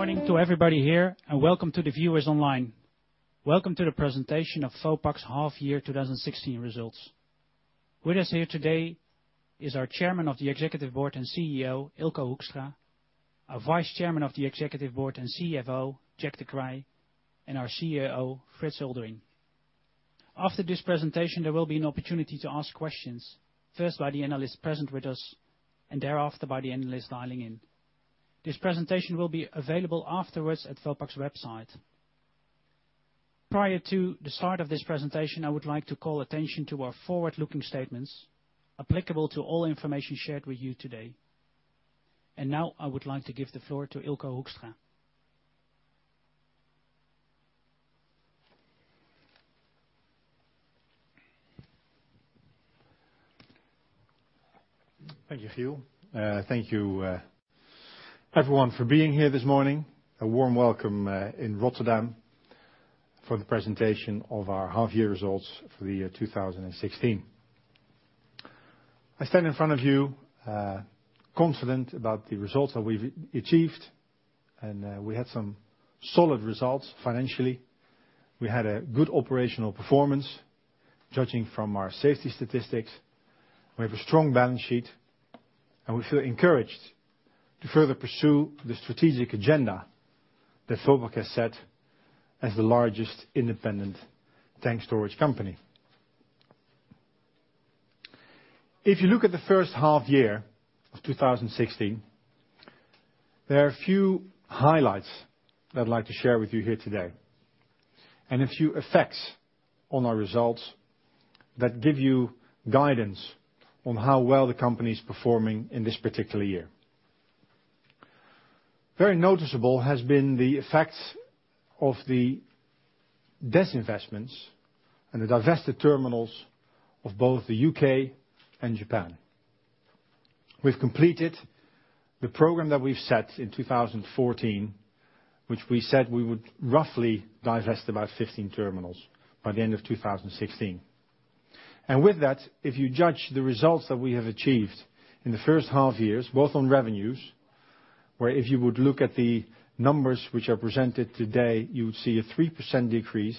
Good morning to everybody here, welcome to the viewers online. Welcome to the presentation of Vopak's half year 2016 results. With us here today is our Chairman of the Executive Board and CEO, Eelco Hoekstra, our Vice Chairman of the Executive Board and CFO, Jack de Kreij, and our COO, Frits Eulderink. After this presentation, there will be an opportunity to ask questions, first by the analysts present with us and thereafter by the analysts dialing in. This presentation will be available afterwards at Vopak's website. Prior to the start of this presentation, I would like to call attention to our forward-looking statements applicable to all information shared with you today. Now I would like to give the floor to Eelco Hoekstra. Thank you, Giel. Thank you everyone for being here this morning. A warm welcome in Rotterdam for the presentation of our half year results for the year 2016. I stand in front of you confident about the results that we've achieved. We had some solid results financially. We had a good operational performance judging from our safety statistics. We have a strong balance sheet. We feel encouraged to further pursue the strategic agenda that Vopak has set as the largest independent tank storage company. If you look at the first half year of 2016, there are a few highlights that I'd like to share with you here today. A few effects on our results that give you guidance on how well the company's performing in this particular year. Very noticeable has been the effects of the disinvestments and the divested terminals of both the U.K. and Japan. We've completed the program that we've set in 2014, which we said we would roughly divest about 15 terminals by the end of 2016. With that, if you judge the results that we have achieved in the first half years, both on revenues, where if you would look at the numbers which are presented today, you would see a 3% decrease.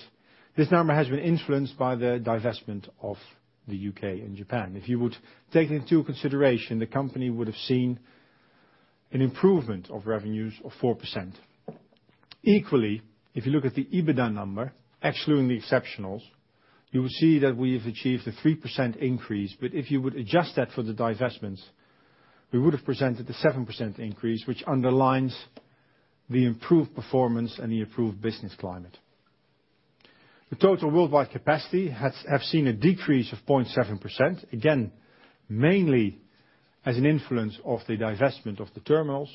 This number has been influenced by the divestment of the U.K. and Japan. If you would take into consideration, the company would've seen an improvement of revenues of 4%. Equally, if you look at the EBITDA number, excluding the exceptionals, you will see that we have achieved a 3% increase. If you would adjust that for the divestments, we would've presented a 7% increase, which underlines the improved performance and the improved business climate. The total worldwide capacity have seen a decrease of 0.7%, again, mainly as an influence of the divestment of the terminals.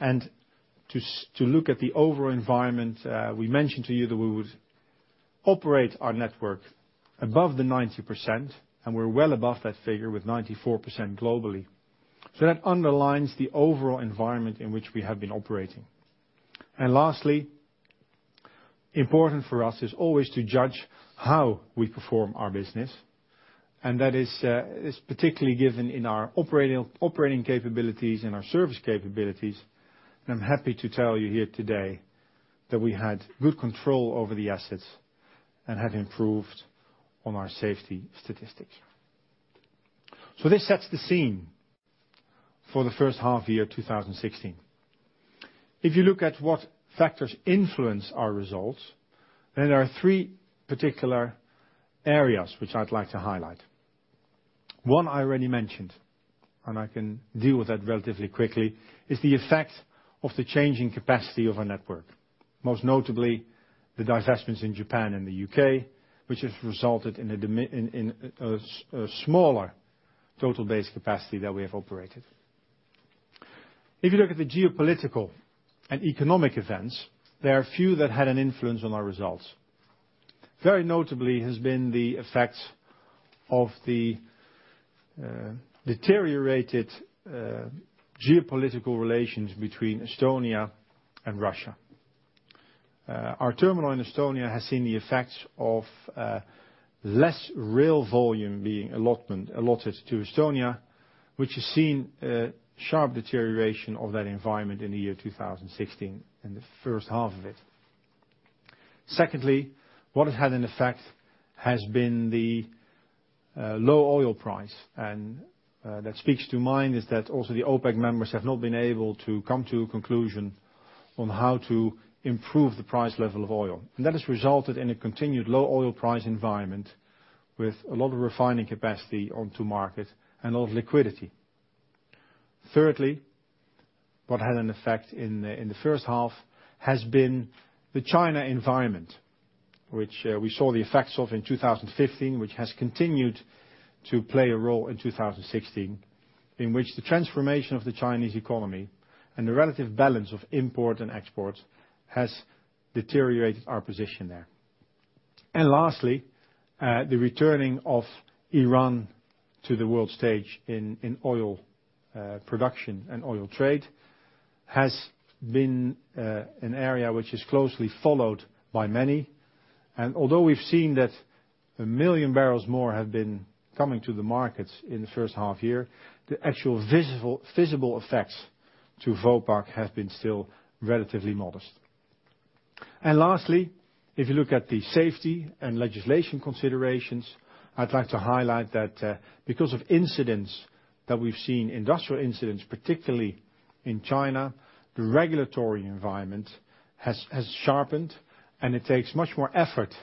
To look at the overall environment, we mentioned to you that we would operate our network above the 90%. We're well above that figure with 94% globally. That underlines the overall environment in which we have been operating. Lastly, important for us is always to judge how we perform our business. That is particularly given in our operating capabilities and our service capabilities. I'm happy to tell you here today that we had good control over the assets and have improved on our safety statistics. This sets the scene for the first half year, 2016. If you look at what factors influence our results, there are three particular areas which I'd like to highlight. One I already mentioned, and I can deal with that relatively quickly, is the effect of the changing capacity of our network, most notably the divestments in Japan and the U.K., which has resulted in a smaller total base capacity that we have operated. If you look at the geopolitical and economic events, there are a few that had an influence on our results. Very notably has been the effect of the deteriorated geopolitical relations between Estonia and Russia. Our terminal in Estonia has seen the effects of less real volume being allotted to Estonia, which has seen a sharp deterioration of that environment in the year 2016, in the first half of it. Secondly, what has had an effect has been the low oil price, that speaks to mind is that also the OPEC members have not been able to come to a conclusion on how to improve the price level of oil. That has resulted in a continued low oil price environment with a lot of refining capacity onto market and a lot of liquidity. Thirdly, what had an effect in the first half has been the China environment, which we saw the effects of in 2015, which has continued to play a role in 2016, in which the transformation of the Chinese economy and the relative balance of import and export has deteriorated our position there. Lastly, the returning of Iran to the world stage in oil production and oil trade has been an area which is closely followed by many. Although we've seen that a million barrels more have been coming to the markets in the first half year, the actual visible effects to Vopak have been still relatively modest. Lastly, if you look at the safety and legislation considerations, I'd like to highlight that because of incidents that we've seen, industrial incidents, particularly in China, the regulatory environment has sharpened, and it takes much more effort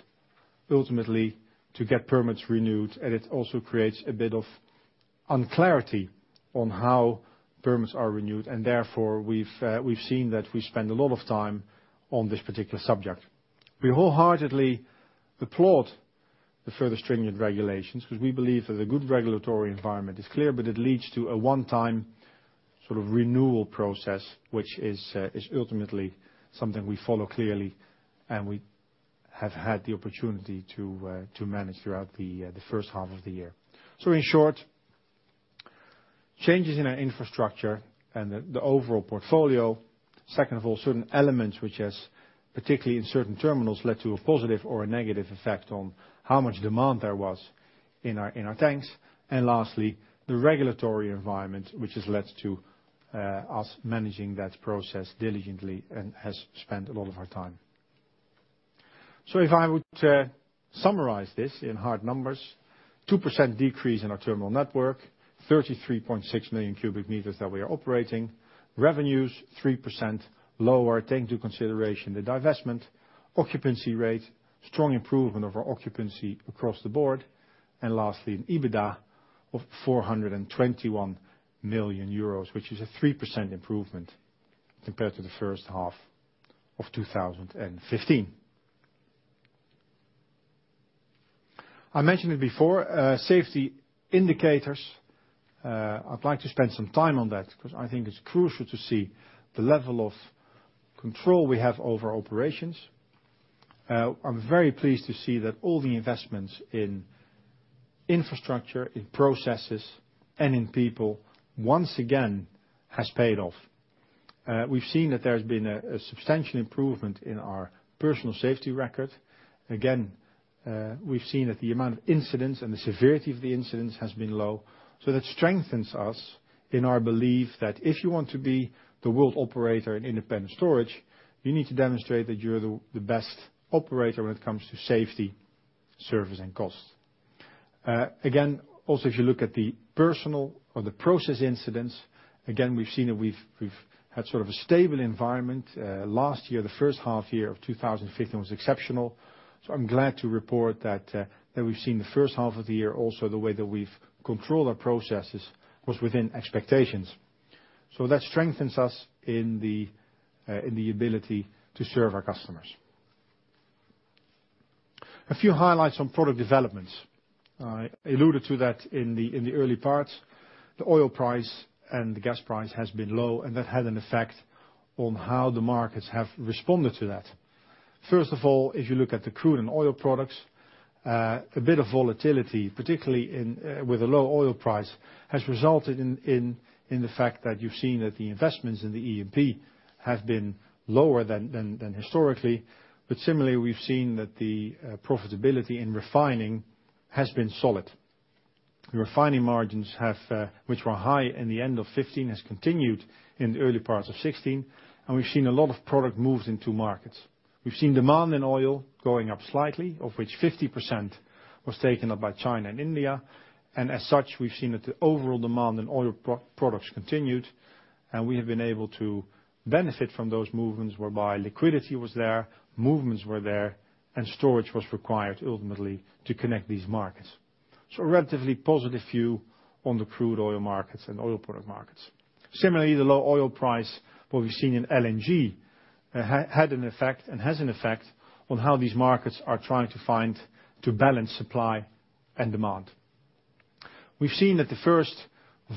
ultimately to get permits renewed. It also creates a bit of unclarity on how permits are renewed, and therefore, we've seen that we spend a lot of time on this particular subject. We wholeheartedly applaud the further stringent regulations because we believe that the good regulatory environment is clear, but it leads to a one-time sort of renewal process, which is ultimately something we follow clearly and we have had the opportunity to manage throughout the first half of the year. In short, changes in our infrastructure and the overall portfolio. Second of all, certain elements, which has particularly in certain terminals, led to a positive or a negative effect on how much demand there was in our tanks. Lastly, the regulatory environment, which has led to us managing that process diligently and has spent a lot of our time. If I were to summarize this in hard numbers, 2% decrease in our terminal network, 33.6 million cubic meters that we are operating. Revenues 3% lower, taking into consideration the divestment. Occupancy rate, strong improvement of our occupancy across the board. Lastly, an EBITDA of 421 million euros, which is a 3% improvement compared to the first half of 2015. I mentioned it before, safety indicators. I'd like to spend some time on that because I think it's crucial to see the level of control we have over operations. I'm very pleased to see that all the investments in infrastructure, in processes, and in people once again has paid off. We've seen that there's been a substantial improvement in our personal safety record. Again, we've seen that the amount of incidents and the severity of the incidents has been low. That strengthens us in our belief that if you want to be the world operator in independent storage, you need to demonstrate that you're the best operator when it comes to safety, service, and cost. Also, if you look at the personal or the process incidents, again, we've seen that we've had sort of a stable environment. Last year, the first half year of 2015 was exceptional. I'm glad to report that we've seen the first half of the year, also, the way that we've controlled our processes was within expectations. That strengthens us in the ability to serve our customers. A few highlights on product developments. I alluded to that in the early parts. The oil price and the gas price has been low, and that had an effect on how the markets have responded to that. First of all, if you look at the crude and oil products, a bit of volatility, particularly with the low oil price, has resulted in the fact that you've seen that the investments in the E&P have been lower than historically. Similarly, we've seen that the profitability in refining has been solid. The refining margins, which were high in the end of 2015, has continued in the early parts of 2016, and we've seen a lot of product moves into markets. We've seen demand in oil going up slightly, of which 50% was taken up by China and India. As such, we've seen that the overall demand in oil products continued, and we have been able to benefit from those movements whereby liquidity was there, movements were there, and storage was required ultimately to connect these markets. A relatively positive view on the crude oil markets and oil product markets. Similarly, the low oil price, what we've seen in LNG, had an effect and has an effect on how these markets are trying to find to balance supply and demand. We've seen that the first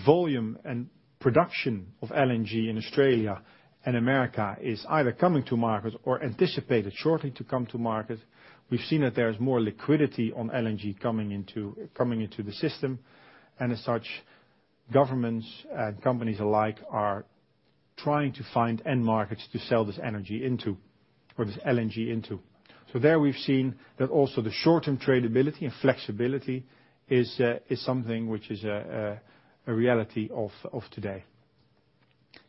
volume and production of LNG in Australia and the U.S. is either coming to market or anticipated shortly to come to market. We've seen that there is more liquidity on LNG coming into the system, as such, governments and companies alike are trying to find end markets to sell this energy into or this LNG into. There we've seen that also the short-term tradability and flexibility is something which is a reality of today.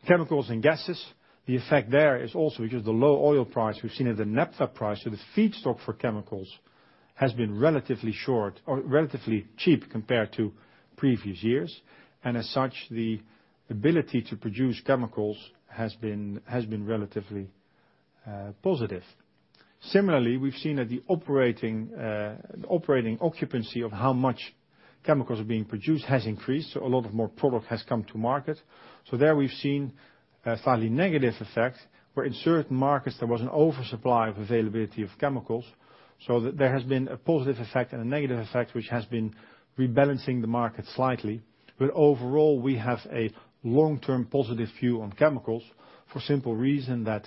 Chemicals and gases, the effect there is also because the low oil price, we've seen that the naphtha price or the feedstock for chemicals has been relatively short or relatively cheap compared to previous years. As such, the ability to produce chemicals has been relatively positive. Similarly, we've seen that the operating occupancy of how much chemicals are being produced has increased, a lot of more product has come to market. There we've seen a slightly negative effect, where in certain markets there was an oversupply of availability of chemicals. There has been a positive effect and a negative effect, which has been rebalancing the market slightly. Overall, we have a long-term positive view on chemicals for simple reason that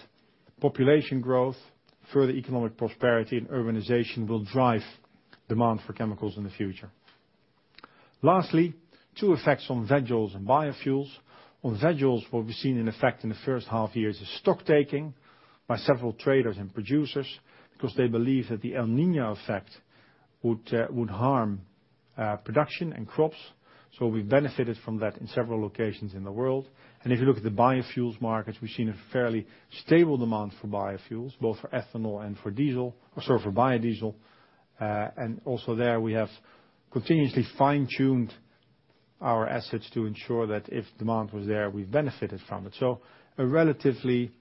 population growth, further economic prosperity, and urbanization will drive demand for chemicals in the future. Lastly, two effects on veg oils and biofuels. On veg oils, what we've seen in effect in the first half year is stock taking by several traders and producers because they believe that the El Niño effect would harm production and crops. We benefited from that in several locations in the world. If you look at the biofuels markets, we've seen a fairly stable demand for biofuels, both for ethanol and for biodiesel. Also there, we have continuously fine-tuned our assets to ensure that if demand was there, we benefited from it. A relatively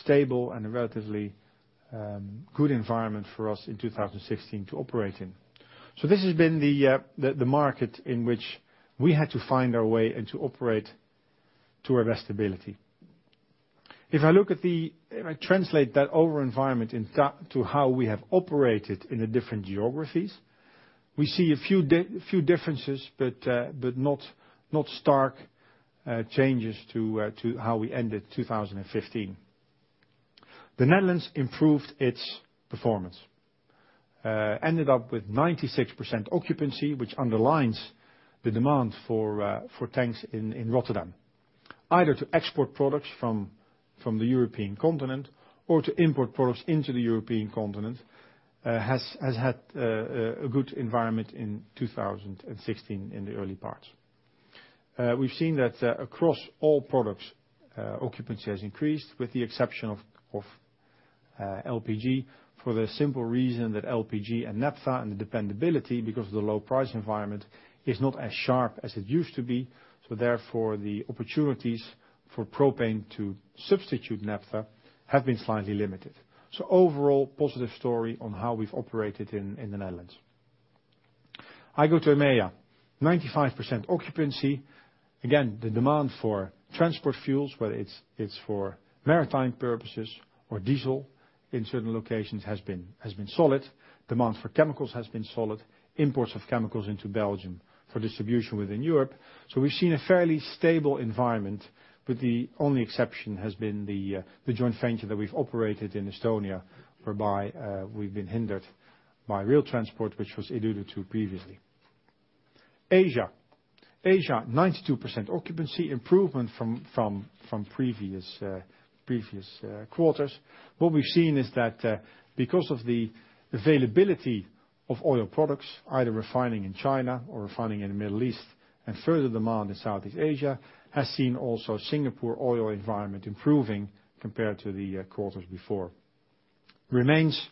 stable and a relatively good environment for us in 2016 to operate in. This has been the market in which we had to find our way and to operate to our best ability. If I translate that over environment to how we have operated in the different geographies, we see a few differences, but not stark changes to how we ended 2015. The Netherlands improved its performance. Ended up with 96% occupancy, which underlines the demand for tanks in Rotterdam, either to export products from the European continent or to import products into the European continent, has had a good environment in 2016 in the early parts. We've seen that across all products, occupancy has increased with the exception of LPG for the simple reason that LPG and naphtha and the dependability because of the low price environment is not as sharp as it used to be. Therefore, the opportunities for propane to substitute naphtha have been slightly limited. Overall, positive story on how we've operated in the Netherlands. I go to EMEA. 95% occupancy. Again, the demand for transport fuels, whether it's for maritime purposes or diesel in certain locations, has been solid. Demand for chemicals has been solid. Imports of chemicals into Belgium for distribution within Europe. We've seen a fairly stable environment, but the only exception has been the joint venture that we've operated in Estonia, whereby we've been hindered by rail transport, which was alluded to previously. Asia. Asia, 92% occupancy, improvement from previous quarters. What we've seen is that because of the availability of oil products, either refining in China or refining in the Middle East, and further demand in Southeast Asia, has seen also Singapore oil environment improving compared to the quarters before. Remains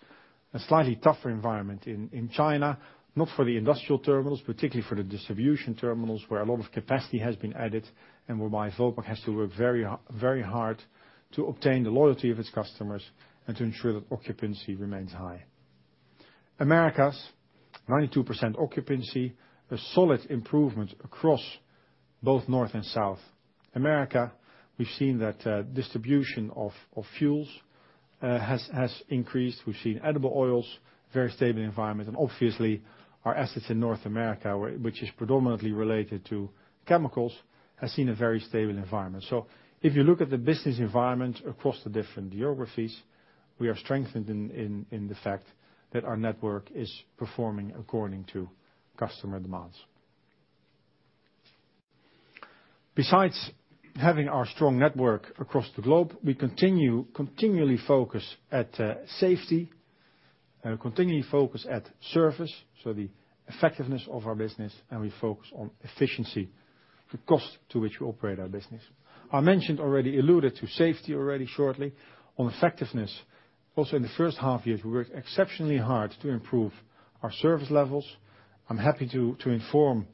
a slightly tougher environment in China, not for the industrial terminals, particularly for the distribution terminals, where a lot of capacity has been added and whereby Vopak has to work very hard to obtain the loyalty of its customers and to ensure that occupancy remains high. Americas, 92% occupancy, a solid improvement across both North and South America. We've seen that distribution of fuels has increased. We've seen edible oils, very stable environment, and obviously our assets in North America, which is predominantly related to chemicals, has seen a very stable environment. If you look at the business environment across the different geographies, we are strengthened in the fact that our network is performing according to customer demands. Besides having our strong network across the globe, we continually focus at safety, and we continually focus at service, so the effectiveness of our business, and we focus on efficiency, the cost to which we operate our business. I mentioned, alluded to safety already shortly. On effectiveness, also in the first half year, we worked exceptionally hard to improve our service levels. I'm happy to inform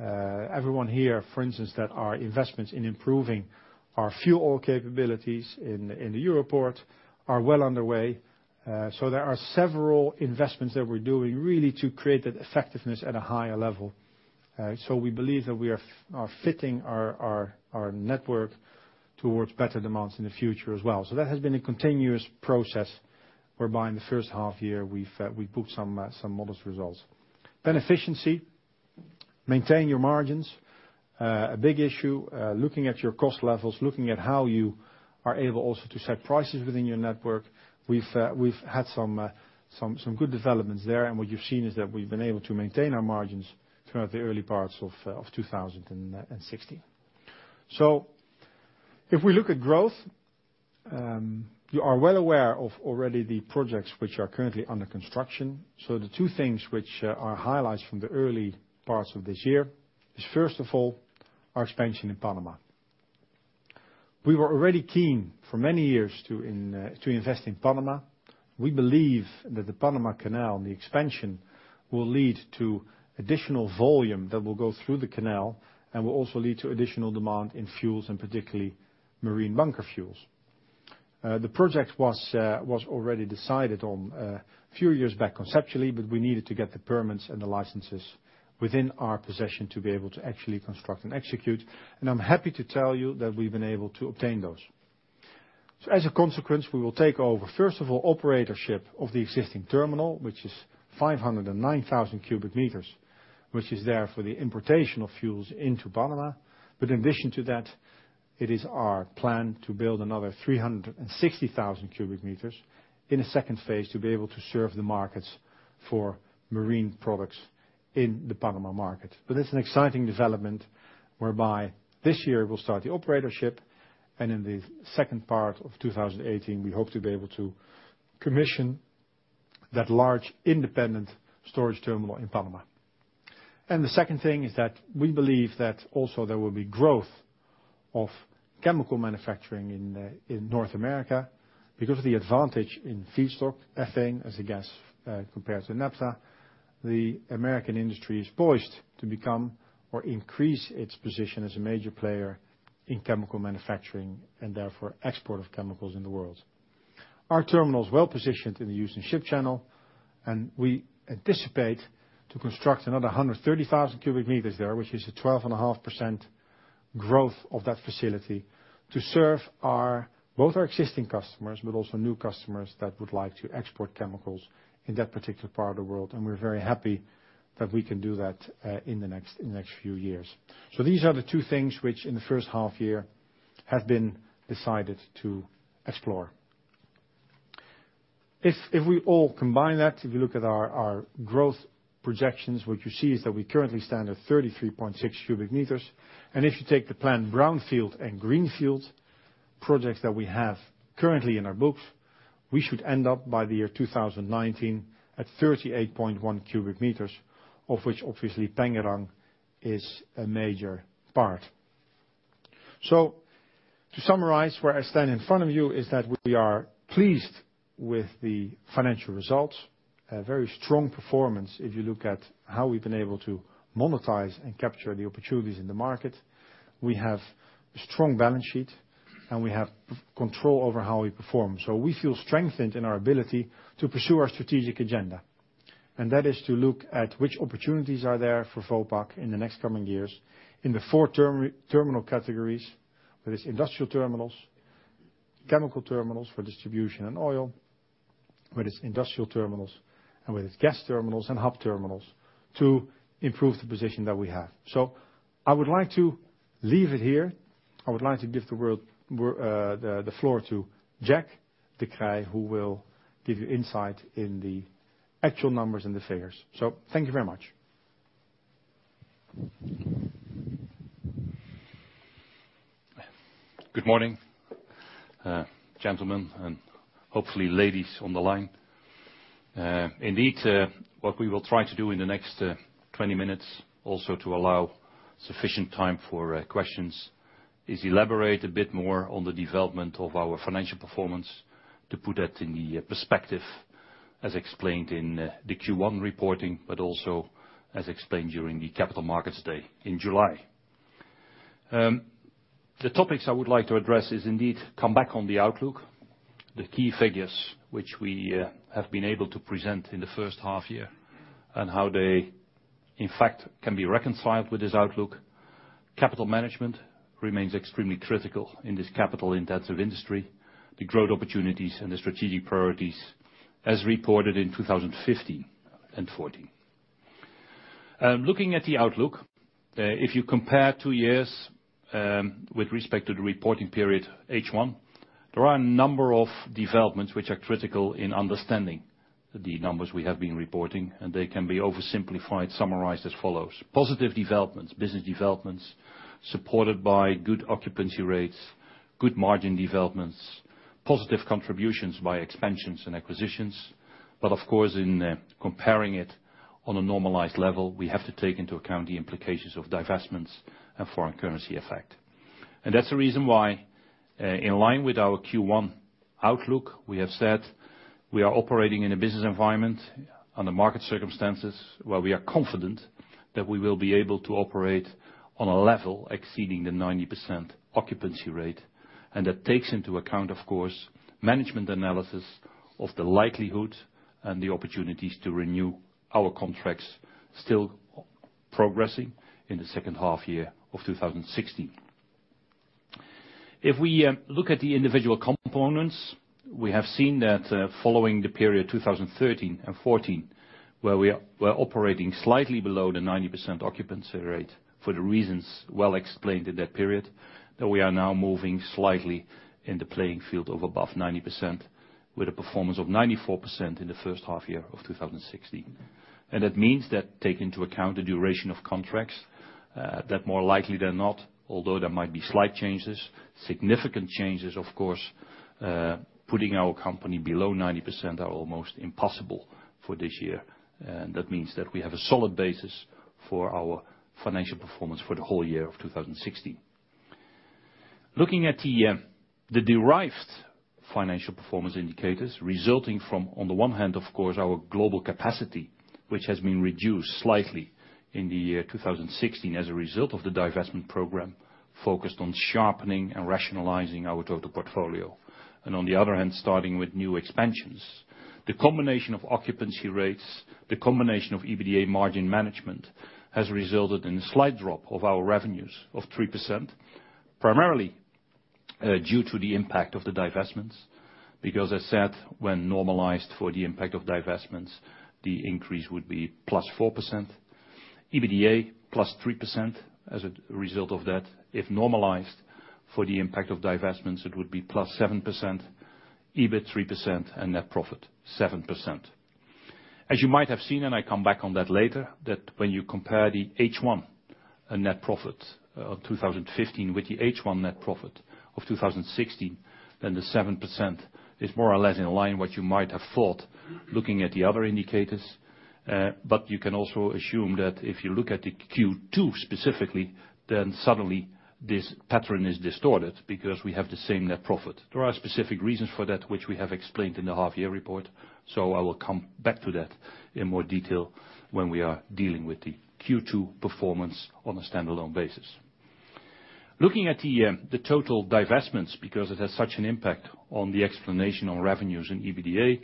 everyone here, for instance, that our investments in improving our fuel oil capabilities in the Europoort are well underway. There are several investments that we're doing really to create that effectiveness at a higher level. We believe that we are fitting our network towards better demands in the future as well. That has been a continuous process whereby in the first half year we've booked some modest results. Efficiency, maintain your margins. A big issue, looking at your cost levels, looking at how you are able also to set prices within your network. We've had some good developments there, and what you've seen is that we've been able to maintain our margins throughout the early parts of 2016. If we look at growth, you are well aware of already the projects which are currently under construction. The two things which are highlights from the early parts of this year is, first of all, our expansion in Panama. We were already keen for many years to invest in Panama. We believe that the Panama Canal and the expansion will lead to additional volume that will go through the canal and will also lead to additional demand in fuels, and particularly marine bunker fuels. The project was already decided on a few years back conceptually, but we needed to get the permits and the licenses within our possession to be able to actually construct and execute. I'm happy to tell you that we've been able to obtain those. As a consequence, we will take over, first of all, operatorship of the existing terminal, which is 509,000 cubic meters, which is there for the importation of fuels into Panama. In addition to that, it is our plan to build another 360,000 cubic meters in a second phase to be able to serve the markets for marine products in the Panama market. It's an exciting development whereby this year we'll start the operatorship, and in the second part of 2018, we hope to be able to commission that large independent storage terminal in Panama. The second thing is that we believe that also there will be growth of chemical manufacturing in North America because of the advantage in feedstock ethane as a gas compared to naphtha. The American industry is poised to become or increase its position as a major player in chemical manufacturing, and therefore export of chemicals in the world. Our terminal is well positioned in the Houston Ship Channel, we anticipate to construct another 130,000 cubic meters there, which is a 12.5% growth of that facility to serve both our existing customers, but also new customers that would like to export chemicals in that particular part of the world. We are very happy that we can do that in the next few years. These are the two things which in the first half year have been decided to explore. If we all combine that, if you look at our growth projections, what you see is that we currently stand at 33.6 cubic meters. If you take the planned brownfield and greenfield projects that we have currently in our books, we should end up by the year 2019 at 38.1 cubic meters, of which obviously Pengerang is a major part. To summarize, where I stand in front of you is that we are pleased with the financial results. A very strong performance if you look at how we have been able to monetize and capture the opportunities in the market. We have a strong balance sheet, we have control over how we perform. We feel strengthened in our ability to pursue our strategic agenda. That is to look at which opportunities are there for Vopak in the next coming years in the four terminal categories, whether it is industrial terminals, chemical terminals for distribution and oil, whether it is industrial terminals, and whether it is gas terminals and hub terminals to improve the position that we have. I would like to leave it here. I would like to give the floor to Jack de Kreij, who will give you insight in the actual numbers and the figures. Thank you very much. Good morning, gentlemen, and hopefully ladies on the line. Indeed, what we will try to do in the next 20 minutes, also to allow sufficient time for questions, is elaborate a bit more on the development of our financial performance to put that in the perspective as explained in the Q1 reporting, but also as explained during the Capital Markets Day in July. The topics I would like to address is indeed come back on the outlook, the key figures which we have been able to present in the first half year, how they, in fact, can be reconciled with this outlook. Capital management remains extremely critical in this capital intensive industry. The growth opportunities and the strategic priorities as reported in 2015 and 2014. Looking at the outlook, if you compare two years with respect to the reporting period H1, there are a number of developments which are critical in understanding the numbers we have been reporting, and they can be oversimplified, summarized as follows. Positive developments, business developments, supported by good occupancy rates, good margin developments, positive contributions by expansions and acquisitions. Of course, in comparing it on a normalized level, we have to take into account the implications of divestments and foreign currency effect. That is the reason why, in line with our Q1 outlook, we have said we are operating in a business environment under market circumstances where we are confident that we will be able to operate on a level exceeding the 90% occupancy rate. That takes into account, of course, management analysis of the likelihood and the opportunities to renew our contracts still progressing in the second half year of 2016. If we look at the individual components, we have seen that following the period 2013 and 2014, where we were operating slightly below the 90% occupancy rate for the reasons well explained in that period, that we are now moving slightly in the playing field of above 90% with a performance of 94% in the first half year of 2016. That means that take into account the duration of contracts, that more likely than not, although there might be slight changes, significant changes, of course, putting our company below 90% are almost impossible for this year. That means that we have a solid basis for our financial performance for the whole year of 2016. Looking at the derived financial performance indicators resulting from, on the one hand, of course, our global capacity, which has been reduced slightly in the year 2016 as a result of the divestment program focused on sharpening and rationalizing our total portfolio. On the other hand, starting with new expansions. The combination of occupancy rates, the combination of EBITDA margin management, has resulted in a slight drop of our revenues of 3%, primarily due to the impact of the divestments, because as said, when normalized for the impact of divestments, the increase would be +4%. EBITDA +3% as a result of that. If normalized for the impact of divestments, it would be +7%, EBIT 3%, and net profit 7%. As you might have seen, I come back on that later, that when you compare the H1 net profit of 2015 with the H1 net profit of 2016, then the 7% is more or less in line what you might have thought looking at the other indicators. You can also assume that if you look at the Q2 specifically, then suddenly this pattern is distorted because we have the same net profit. There are specific reasons for that which we have explained in the half year report, so I will come back to that in more detail when we are dealing with the Q2 performance on a standalone basis. Looking at the total divestments, because it has such an impact on the explanation on revenues and EBITDA.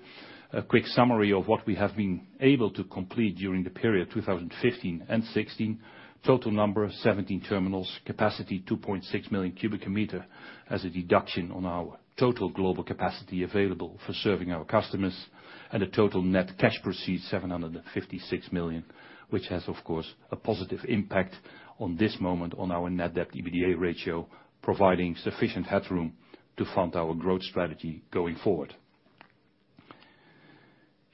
A quick summary of what we have been able to complete during the period 2015 and 2016. Total number of 17 terminals, capacity 2.6 million cubic meter as a deduction on our total global capacity available for serving our customers. A total net cash proceed, 756 million, which has, of course, a positive impact on this moment on our net debt EBITDA ratio, providing sufficient headroom to fund our growth strategy going forward.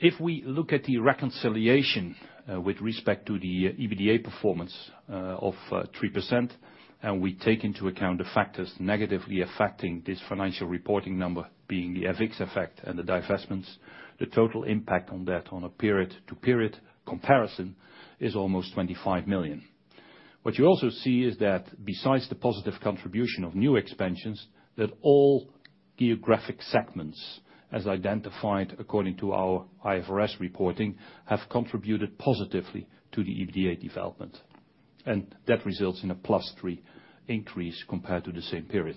If we look at the reconciliation with respect to the EBITDA performance of 3%, we take into account the factors negatively affecting this financial reporting number, being the FX effect and the divestments, the total impact on that on a period-to-period comparison is almost 25 million. What you also see is that besides the positive contribution of new expansions, that all geographic segments as identified according to our IFRS reporting, have contributed positively to the EBITDA development. That results in a plus three increase compared to the same period.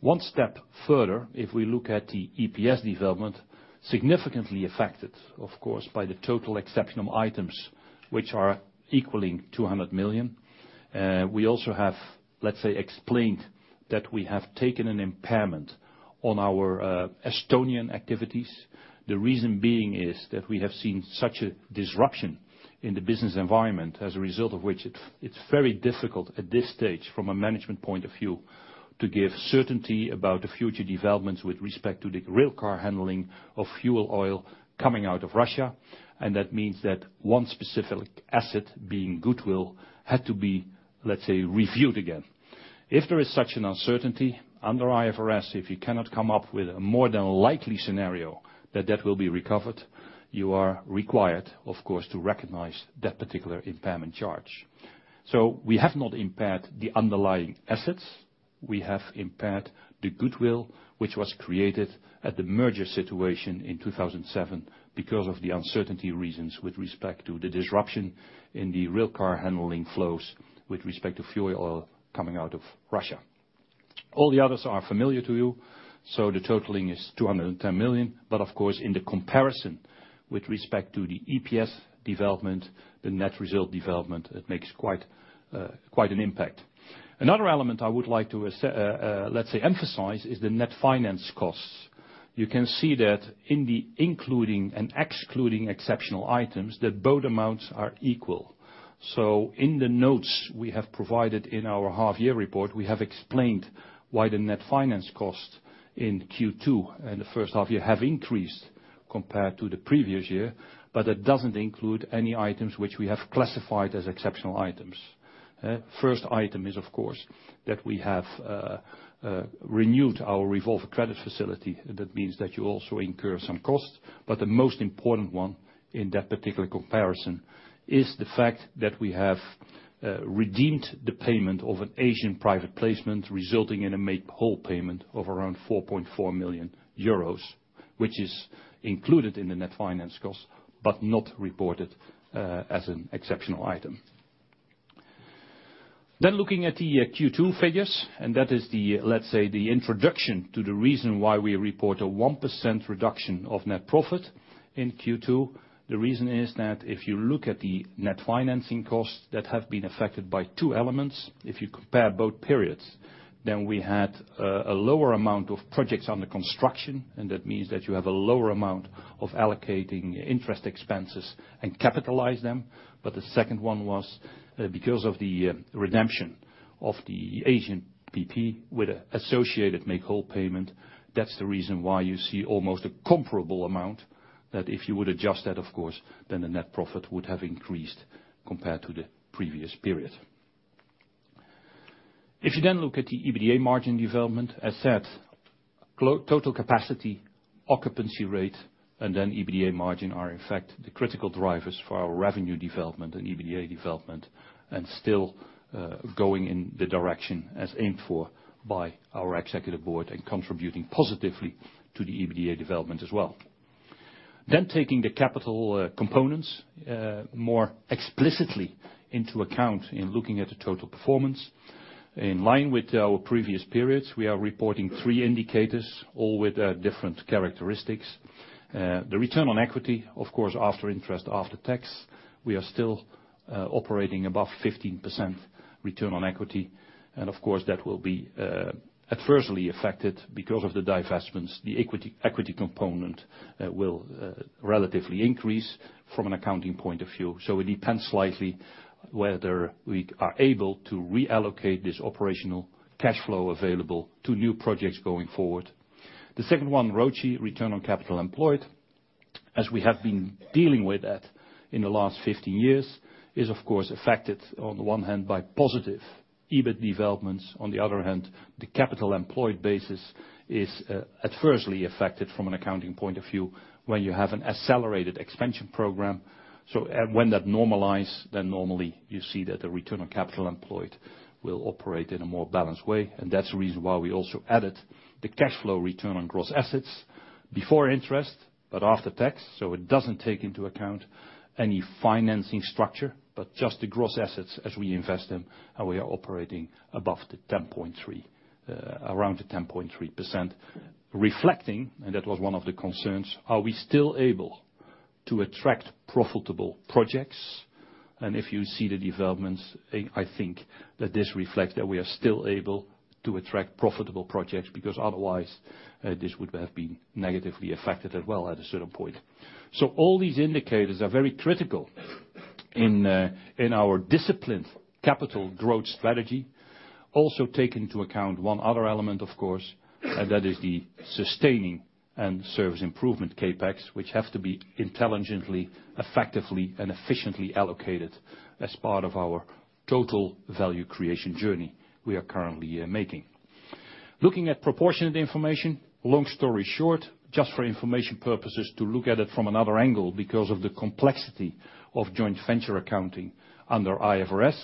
One step further, if we look at the EPS development, significantly affected, of course, by the total exceptional items, which are equaling 200 million. We also have, let's say, explained that we have taken an impairment on our Estonian activities. The reason being is that we have seen such a disruption in the business environment, as a result of which it's very difficult at this stage from a management point of view to give certainty about the future developments with respect to the rail car handling of fuel oil coming out of Russia. That means that one specific asset being goodwill had to be, let's say, reviewed again. If there is such an uncertainty, under IFRS, if you cannot come up with a more than likely scenario that that will be recovered, you are required, of course, to recognize that particular impairment charge. We have not impaired the underlying assets. We have impaired the goodwill, which was created at the merger situation in 2007 because of the uncertainty reasons with respect to the disruption in the rail car handling flows with respect to fuel oil coming out of Russia. All the others are familiar to you, the totaling is 210 million. But of course, in the comparison with respect to the EPS development, the net result development, it makes quite an impact. Another element I would like to, let's say, emphasize is the net finance costs. You can see that in the including and excluding exceptional items that both amounts are equal. In the notes we have provided in our half year report, we have explained why the net finance cost in Q2 and the first half year have increased compared to the previous year, but that doesn't include any items which we have classified as exceptional items. First item is, of course, that we have renewed our revolving credit facility. That means that you also incur some costs. The most important one in that particular comparison is the fact that we have redeemed the payment of an Asian private placement, resulting in a make whole payment of around 4.4 million euros, which is included in the net finance cost, but not reported as an exceptional item. Looking at the Q2 figures, that is the, let's say, the introduction to the reason why we report a 1% reduction of net profit in Q2. The reason is that if you look at the net financing costs that have been affected by two elements, if you compare both periods, then we had a lower amount of projects under construction, and that means that you have a lower amount of allocating interest expenses and capitalize them. The second one was because of the redemption of the Asian PP with associated make-whole payment. That's the reason why you see almost a comparable amount, that if you would adjust that, of course, then the net profit would have increased compared to the previous period. If you then look at the EBITDA margin development, as said, total capacity, occupancy rate, and then EBITDA margin are in fact the critical drivers for our revenue development and EBITDA development, and still going in the direction as aimed for by our Executive Board and contributing positively to the EBITDA development as well. Taking the capital components more explicitly into account in looking at the total performance. In line with our previous periods, we are reporting three indicators, all with different characteristics. The return on equity, of course, after interest, after tax, we are still operating above 15% return on equity. Of course that will be adversely affected because of the divestments. The equity component will relatively increase from an accounting point of view. It depends slightly whether we are able to reallocate this operational cash flow available to new projects going forward. The second one, ROCE, return on capital employed. As we have been dealing with that in the last 15 years is, of course, affected on the one hand by positive EBIT developments. On the other hand, the capital employed basis is adversely affected from an accounting point of view when you have an accelerated expansion program. When that normalize, then normally you see that the return on capital employed will operate in a more balanced way, and that's the reason why we also added the cash flow return on gross assets before interest, but after tax, so it doesn't take into account any financing structure, but just the gross assets as we invest them, and we are operating above the 10.3, around the 10.3%. Reflecting, and that was one of the concerns, are we still able to attract profitable projects? If you see the developments, I think that this reflects that we are still able to attract profitable projects, because otherwise, this would have been negatively affected as well at a certain point. All these indicators are very critical in our disciplined capital growth strategy. Also take into account one other element, of course, and that is the sustaining and service improvement CapEx, which have to be intelligently, effectively, and efficiently allocated as part of our total value creation journey we are currently making. Looking at proportionate information, long story short, just for information purposes to look at it from another angle because of the complexity of joint venture accounting under IFRS,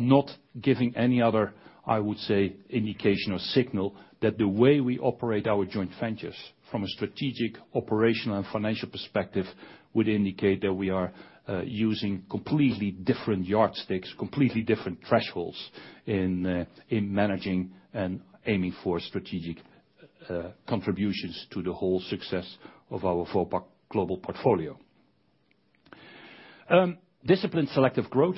not giving any other, I would say, indication or signal that the way we operate our joint ventures from a strategic, operational, and financial perspective would indicate that we are using completely different yardsticks, completely different thresholds in managing and aiming for strategic contributions to the whole success of our Vopak global portfolio. Disciplined selective growth.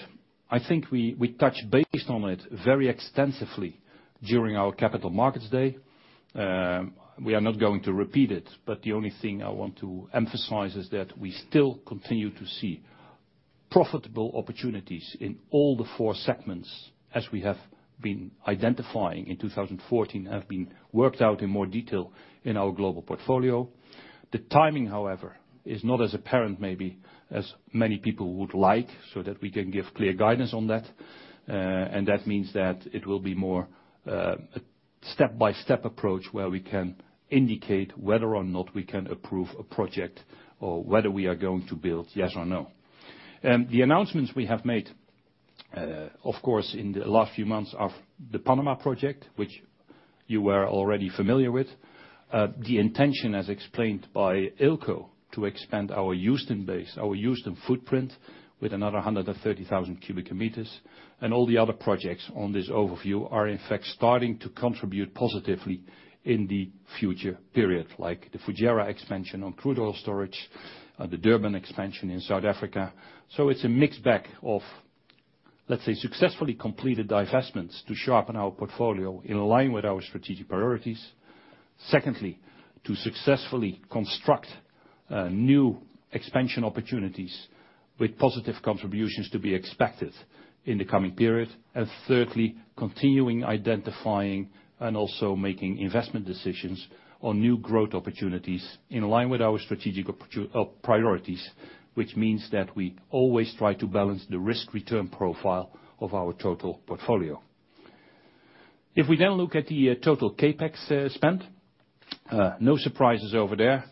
I think we touched base on it very extensively during our Capital Markets Day. The only thing I want to emphasize is that we still continue to see profitable opportunities in all the four segments as we have been identifying in 2014 have been worked out in more detail in our global portfolio. The timing, however, is not as apparent maybe as many people would like so that we can give clear guidance on that. That means that it will be more step-by-step approach where we can indicate whether or not we can approve a project or whether we are going to build, yes or no. The announcements we have made, of course, in the last few months of the Panama project, which you were already familiar with. The intention, as explained by Eelco, to expand our Houston base, our Houston footprint with another 130,000 cubic meters. All the other projects on this overview are, in fact, starting to contribute positively in the future period, like the Fujairah expansion on crude oil storage, the Durban expansion in South Africa. It's a mixed bag of, let's say, successfully completed divestments to sharpen our portfolio in line with our strategic priorities. Secondly, to successfully construct new expansion opportunities with positive contributions to be expected in the coming period. Thirdly, continuing identifying and also making investment decisions on new growth opportunities in line with our strategic priorities, which means that we always try to balance the risk-return profile of our total portfolio. If we then look at the total CapEx spend, no surprises over there.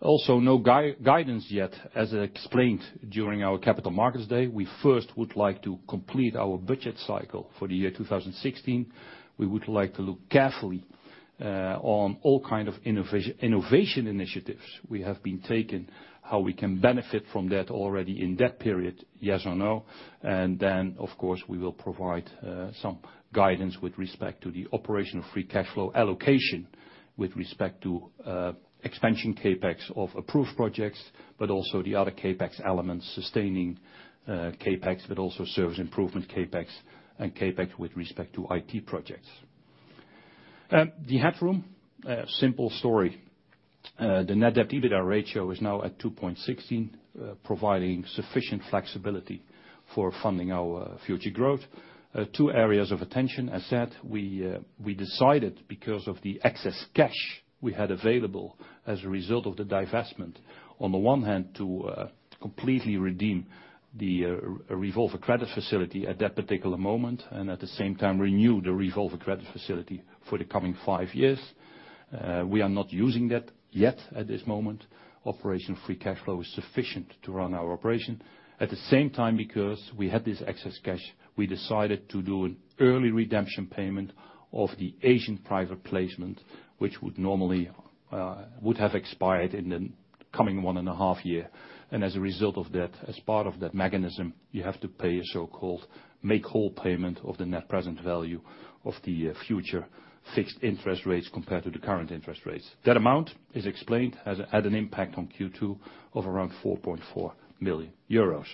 Also no guidance yet, as explained during our Capital Markets Day. We first would like to complete our budget cycle for the year 2016. We would like to look carefully on all kind of innovation initiatives we have been taking, how we can benefit from that already in that period, yes or no. Then, of course, we will provide some guidance with respect to the operational free cash flow allocation with respect to expansion CapEx of approved projects. Also the other CapEx elements, sustaining CapEx. Also service improvement CapEx and CapEx with respect to IT projects. The headroom, simple story. The net debt-EBITDA ratio is now at 2.16, providing sufficient flexibility for funding our future growth. Two areas of attention. As said, we decided because of the excess cash we had available as a result of the divestment, on the one hand, to completely redeem the revolving credit facility at that particular moment. At the same time renew the revolving credit facility for the coming five years. We are not using that yet at this moment. Operational free cash flow is sufficient to run our operation. At the same time, because we had this excess cash, we decided to do an early redemption payment of the Asian private placement, which would normally have expired in the coming one and a half year. As a result of that, as part of that mechanism, you have to pay a so-called make-whole payment of the net present value of the future fixed interest rates compared to the current interest rates. That amount is explained as at an impact on Q2 of around 4.4 million euros.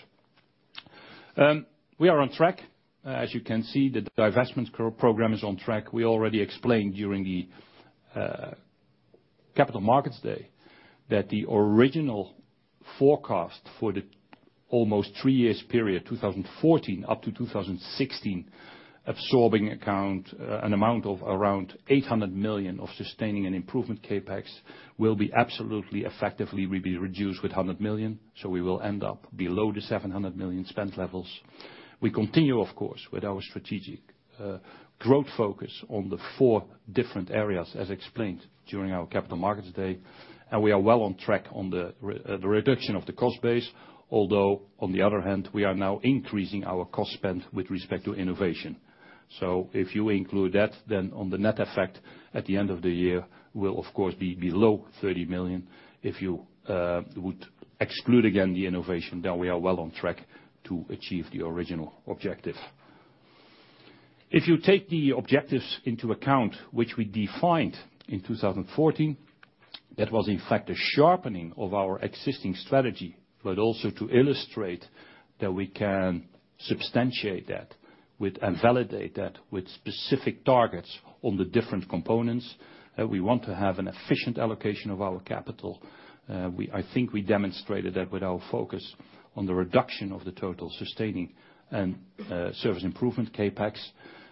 We are on track. As you can see, the divestment program is on track. We already explained during the Capital Markets Day that the original forecast for the almost three years period, 2014-2016, absorbing an amount of around 800 million of sustaining and improvement CapEx will be absolutely effectively will be reduced with 100 million. We will end up below the 700 million spend levels. We continue, of course, with our strategic growth focus on the four different areas as explained during our Capital Markets Day. We are well on track on the reduction of the cost base, although on the other hand, we are now increasing our cost spend with respect to innovation. If you include that, then on the net effect at the end of the year, we'll of course be below 30 million. If you would exclude again the innovation, then we are well on track to achieve the original objective. If you take the objectives into account, which we defined in 2014, that was in fact a sharpening of our existing strategy, but also to illustrate that we can substantiate that with, and validate that with specific targets on the different components. That we want to have an efficient allocation of our capital. I think we demonstrated that with our focus on the reduction of the total sustaining and service improvement CapEx.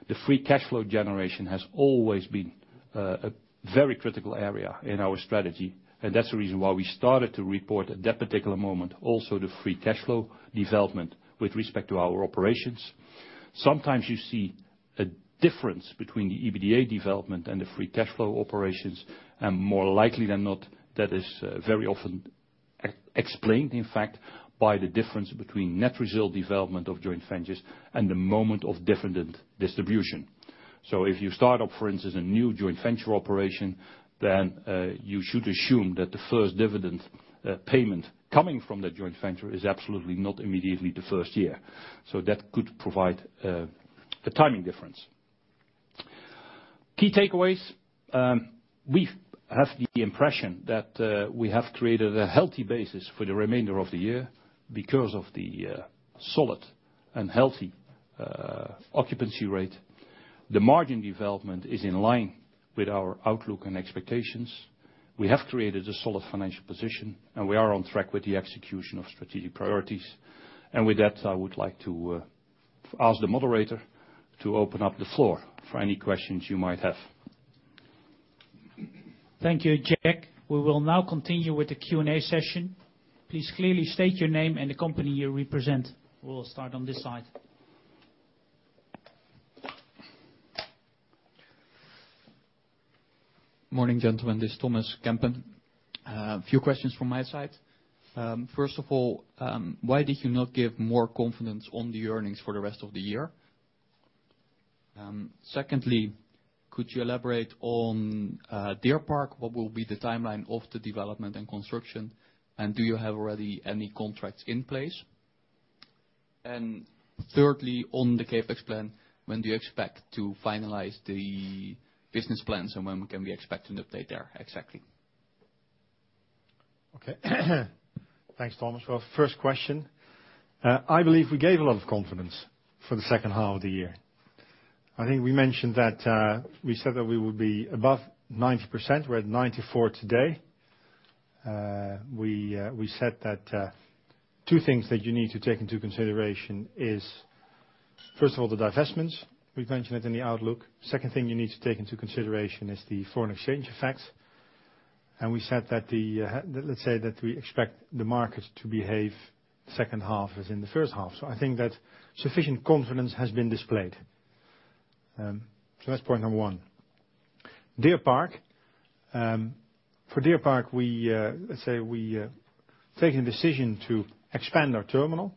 The free cash flow generation has always been a very critical area in our strategy, and that's the reason why we started to report at that particular moment also the free cash flow development with respect to our operations. Sometimes you see a difference between the EBITDA development and the free cash flow operations, and more likely than not, that is very often explained, in fact, by the difference between net result development of joint ventures and the moment of dividend distribution. If you start up, for instance, a new joint venture operation, then you should assume that the first dividend payment coming from the joint venture is absolutely not immediately the first year. That could provide a timing difference. Key takeaways, we have the impression that we have created a healthy basis for the remainder of the year because of the solid and healthy occupancy rate. The margin development is in line with our outlook and expectations. We have created a solid financial position, and we are on track with the execution of strategic priorities. With that, I would like to ask the moderator to open up the floor for any questions you might have. Thank you, Jack. We will now continue with the Q&A session. Please clearly state your name and the company you represent. We will start on this side. Morning, gentlemen. This Thomas Kempen. A few questions from my side. First of all, why did you not give more confidence on the earnings for the rest of the year? Secondly, could you elaborate on Deer Park? What will be the timeline of the development and construction, and do you have already any contracts in place? Thirdly, on the CapEx plan, when do you expect to finalize the business plans, and when can we expect an update there exactly? Okay. Thanks, Thomas. Well, first question, I believe we gave a lot of confidence for the second half of the year. I think we mentioned that, we said that we would be above 90%, we are at 94 today. We said that two things that you need to take into consideration is, first of all, the divestments, we have mentioned it in the outlook. Second thing you need to take into consideration is the foreign exchange effects. We said that Let's say that we expect the market to behave second half as in the first half. I think that sufficient confidence has been displayed. That is point number 1. Deer Park. For Deer Park, we, let's say we taken decision to expand our terminal.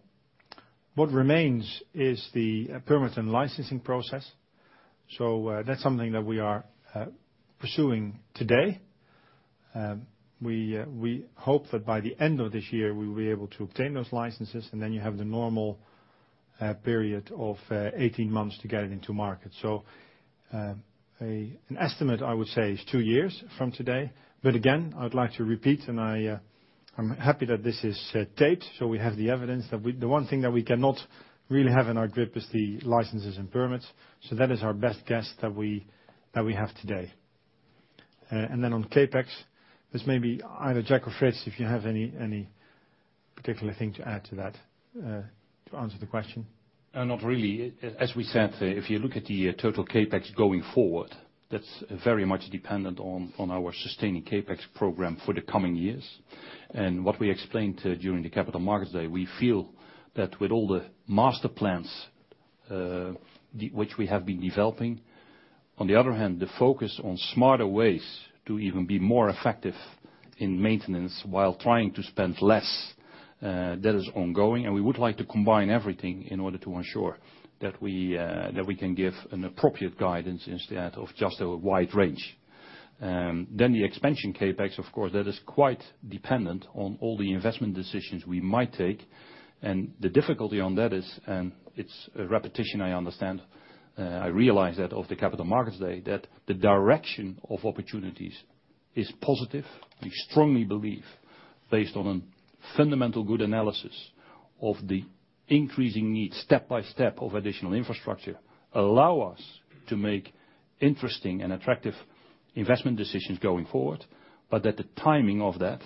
What remains is the permits and licensing process. That is something that we are pursuing today. We hope that by the end of this year, we will be able to obtain those licenses, and then you have the normal period of 18 months to get it into market. An estimate, I would say, is two years from today. Again, I would like to repeat, and I am happy that this is taped, so we have the evidence that The one thing that we cannot really have in our grip is the licenses and permits. That is our best guess that we have today. On CapEx, this may be either Jack or Frits, if you have any particular thing to add to that to answer the question. Not really. As we said, if you look at the total CapEx going forward, that is very much dependent on our sustaining CapEx program for the coming years. What we explained during the Capital Markets Day, we feel that with all the master plans, which we have been developing, on the other hand, the focus on smarter ways to even be more effective in maintenance while trying to spend less, that is ongoing. We would like to combine everything in order to ensure that we can give an appropriate guidance instead of just a wide range. The expansion CapEx, of course, that is quite dependent on all the investment decisions we might take. The difficulty on that is, and it's a repetition, I understand, I realize that of the Capital Markets Day, that the direction of opportunities is positive. We strongly believe, based on a fundamental good analysis of the increasing needs, step by step, of additional infrastructure allow us to make interesting and attractive investment decisions going forward, but that the timing of that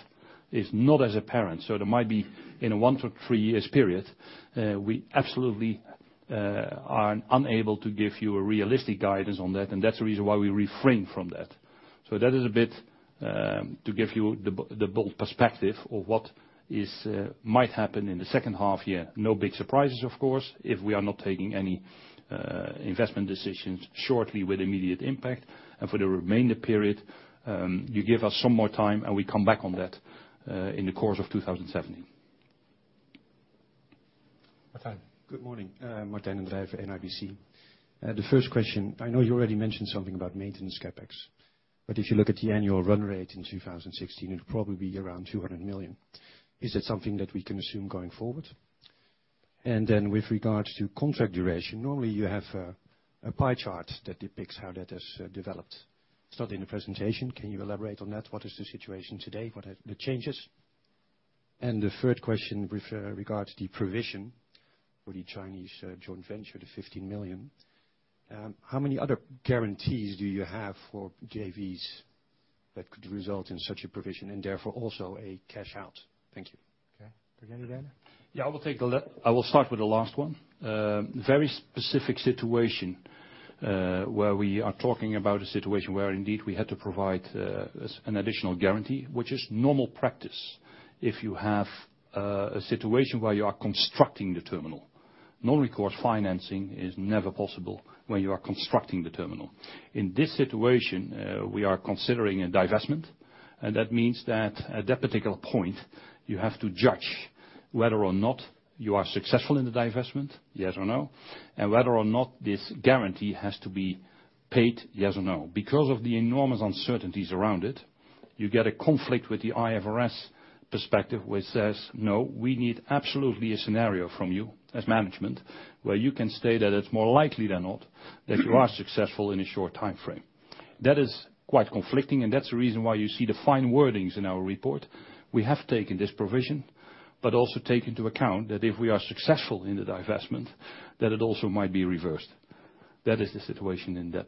is not as apparent. There might be in a 1 to 3 years period, we absolutely are unable to give you a realistic guidance on that, and that's the reason why we refrain from that. That is a bit to give you the bold perspective of what might happen in the second half-year. No big surprises, of course, if we are not taking any investment decisions shortly with immediate impact. For the remainder period, you give us some more time and we come back on that in the course of 2017. Martijn. Good morning. Martijn den Drijver for NIBC. The first question, I know you already mentioned something about maintenance CapEx. If you look at the annual run rate in 2016, it'll probably be around 200 million. Is that something that we can assume going forward? With regards to contract duration, normally you have a pie chart that depicts how that has developed. It's not in the presentation. Can you elaborate on that? What is the situation today? What are the changes? The third question with regards to the provision for the Chinese joint venture, the 15 million. How many other guarantees do you have for JVs that could result in such a provision and therefore also a cash-out? Thank you. Okay. Again, Rüdiger. I will start with the last one. Very specific situation, where we are talking about a situation where indeed we had to provide an additional guarantee, which is normal practice if you have a situation where you are constructing the terminal. Non-recourse financing is never possible when you are constructing the terminal. In this situation, we are considering a divestment, and that means that at that particular point, you have to judge whether or not you are successful in the divestment, yes or no, and whether or not this guarantee has to be paid, yes or no. Because of the enormous uncertainties around it, you get a conflict with the IFRS perspective, which says, "No, we need absolutely a scenario from you as management where you can state that it's more likely than not that you are successful in a short time frame." That is quite conflicting, and that's the reason why you see the fine wordings in our report. We have taken this provision, but also take into account that if we are successful in the divestment, that it also might be reversed. That is the situation in that.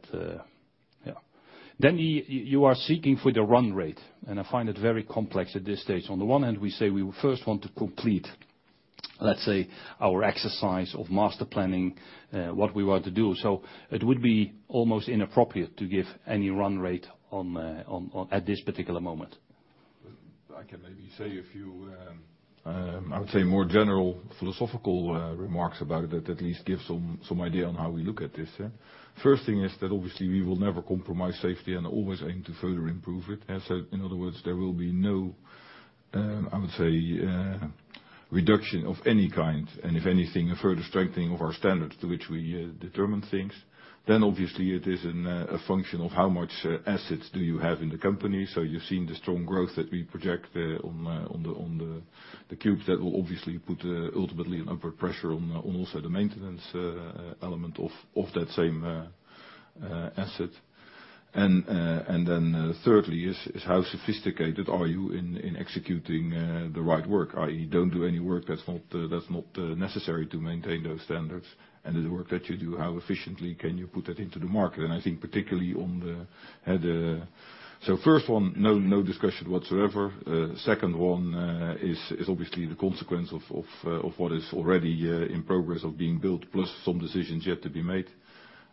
You are seeking for the run rate, and I find it very complex at this stage. On the one hand, we say we will first want to complete, let's say, our exercise of master planning what we want to do. It would be almost inappropriate to give any run rate at this particular moment. I can maybe say a few, I would say, more general philosophical remarks about it that at least give some idea on how we look at this. First thing is that obviously we will never compromise safety and always aim to further improve it. As said, in other words, there will be no, I would say, reduction of any kind, and if anything, a further strengthening of our standards to which we determine things. Obviously it is a function of how much assets do you have in the company. You've seen the strong growth that we project on the cubes that will obviously put ultimately an upward pressure on also the maintenance element of that same asset. Thirdly is how sophisticated are you in executing the right work, i.e., don't do any work that's not necessary to maintain those standards, and the work that you do, how efficiently can you put that into the market? I think particularly on the first one, no discussion whatsoever. Second one is obviously the consequence of what is already in progress of being built, plus some decisions yet to be made.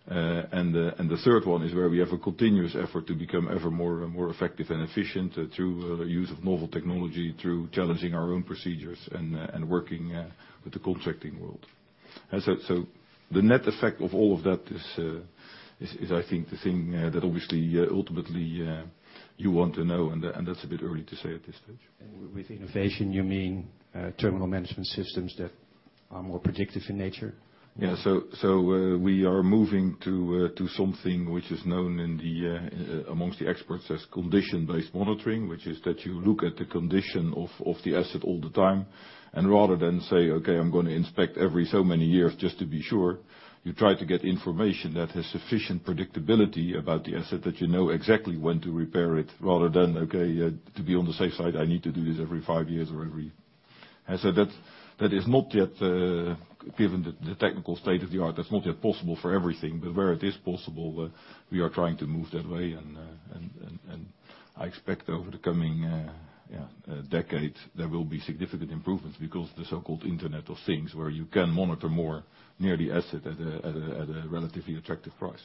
The third one is where we have a continuous effort to become ever more and more effective and efficient through the use of novel technology, through challenging our own procedures and working with the contracting world. As said, the net effect of all of that is I think the thing that obviously, ultimately, you want to know, and that's a bit early to say at this stage. With innovation, you mean terminal management systems that are more predictive in nature? Yeah. We are moving to something which is known amongst the experts as condition-based monitoring, which is that you look at the condition of the asset all the time, and rather than say, okay, I'm going to inspect every so many years just to be sure, you try to get information that has sufficient predictability about the asset that you know exactly when to repair it, rather than, okay, to be on the safe side, I need to do this every five years or As said, that is not yet given the technical state of the art. That's not yet possible for everything. But where it is possible, we are trying to move that way. I expect over the coming decade there will be significant improvements because the so-called Internet of Things, where you can monitor more near the asset at a relatively attractive price.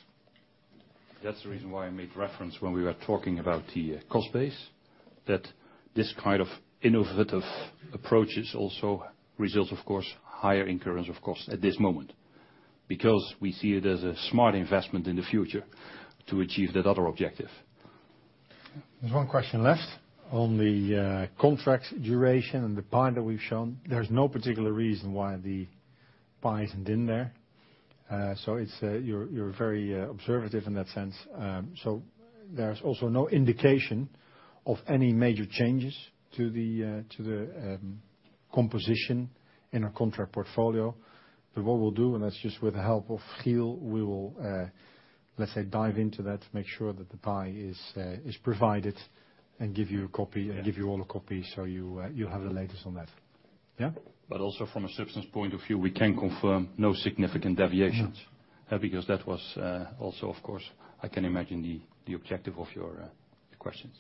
That's the reason why I made reference when we were talking about the cost base, that this kind of innovative approaches also results, of course, higher incurrence of cost at this moment, because we see it as a smart investment in the future to achieve that other objective. There's one question left. On the contract duration and the pie that we've shown, there's no particular reason why the pie isn't in there. You're very observative in that sense. There's also no indication of any major changes to the composition in our contract portfolio. What we'll do, and that's just with the help of Giel, we will, let's say, dive into that to make sure that the pie is provided and give you all a copy so you have the latest on that. Yeah? Also from a substance point of view, we can confirm no significant deviations. Yeah. That was also, of course, I can imagine the objective of your questions.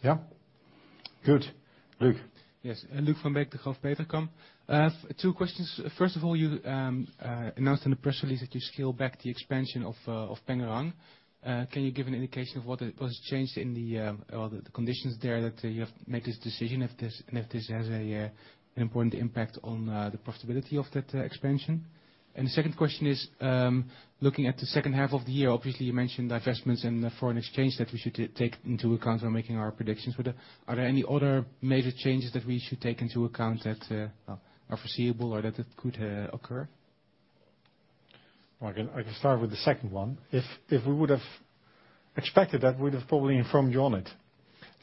Good. Luke? Yes. Luuk van Beek, Degroof Petercam. I have two questions. First of all, you announced in the press release that you scale back the expansion of Pengerang. Can you give an indication of what has changed in the conditions there that you have made this decision, and if this has an important impact on the profitability of that expansion? The second question is, looking at the second half of the year, obviously, you mentioned divestments in the foreign exchange that we should take into account when making our predictions for that. Are there any other major changes that we should take into account that are foreseeable or that could occur? I can start with the second one. If we would have expected that, we'd have probably informed you on it.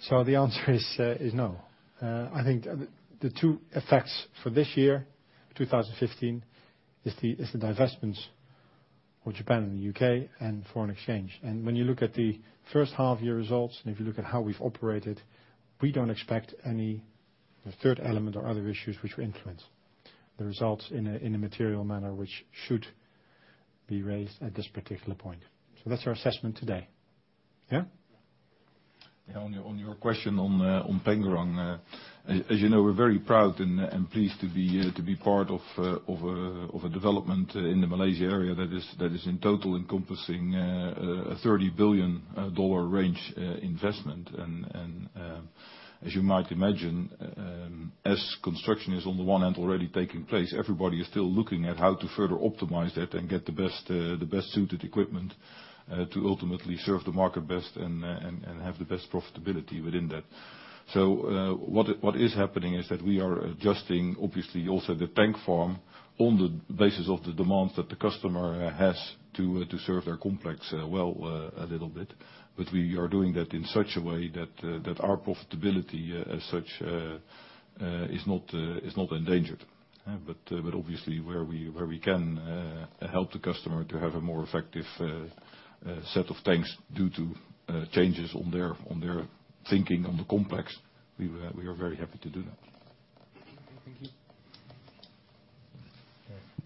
The answer is no. I think the two effects for this year, 2015, are the divestments with Japan and the U.K. and foreign exchange. When you look at the first half year results, and if you look at how we've operated, we don't expect any third element or other issues which will influence the results in a material manner, which should be raised at this particular point. That's our assessment today. Yeah? Yeah. On your question on Pengerang, as you know, we're very proud and pleased to be part of a development in the Malaysia area that is in total encompassing a $30 billion dollar range investment. As you might imagine, as construction is on the one hand already taking place, everybody is still looking at how to further optimize that and get the best suited equipment to ultimately serve the market best and have the best profitability within that. What is happening is that we are adjusting, obviously, also the tank farm on the basis of the demands that the customer has to serve their complex well a little bit. We are doing that in such a way that our profitability, as such, is not endangered. Obviously, where we can help the customer to have a more effective set of tanks due to changes on their thinking on the complex, we are very happy to do that. Okay, thank you.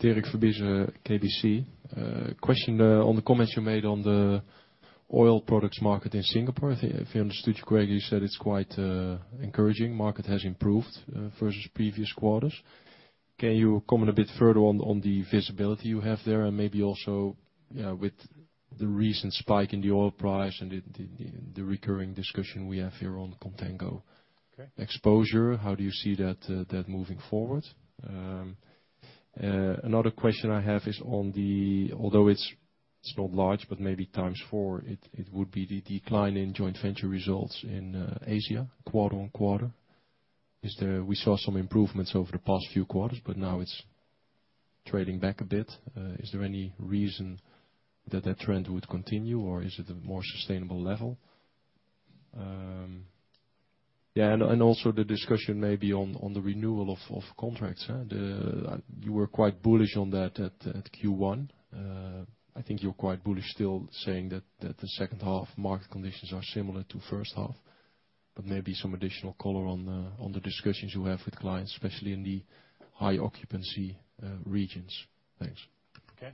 Yeah. Dirk Verbeisen, KBC. Question on the comments you made on the oil products market in Singapore. If I understood you correctly, you said it's quite encouraging. Market has improved versus previous quarters. Can you comment a bit further on the visibility you have there, and maybe also with the recent spike in the oil price and the recurring discussion we have here on contango exposure? Okay. How do you see that moving forward? Another question I have is, although it's not large, but maybe times four, it would be the decline in joint venture results in Asia, quarter-on-quarter. We saw some improvements over the past few quarters, but now it's trading back a bit. Is there any reason that that trend would continue, or is it a more sustainable level? Yeah, also the discussion maybe on the renewal of contracts. You were quite bullish on that at Q1. I think you're quite bullish still saying that the second half market conditions are similar to first half, but maybe some additional color on the discussions you have with clients, especially in the high occupancy regions. Thanks. Okay.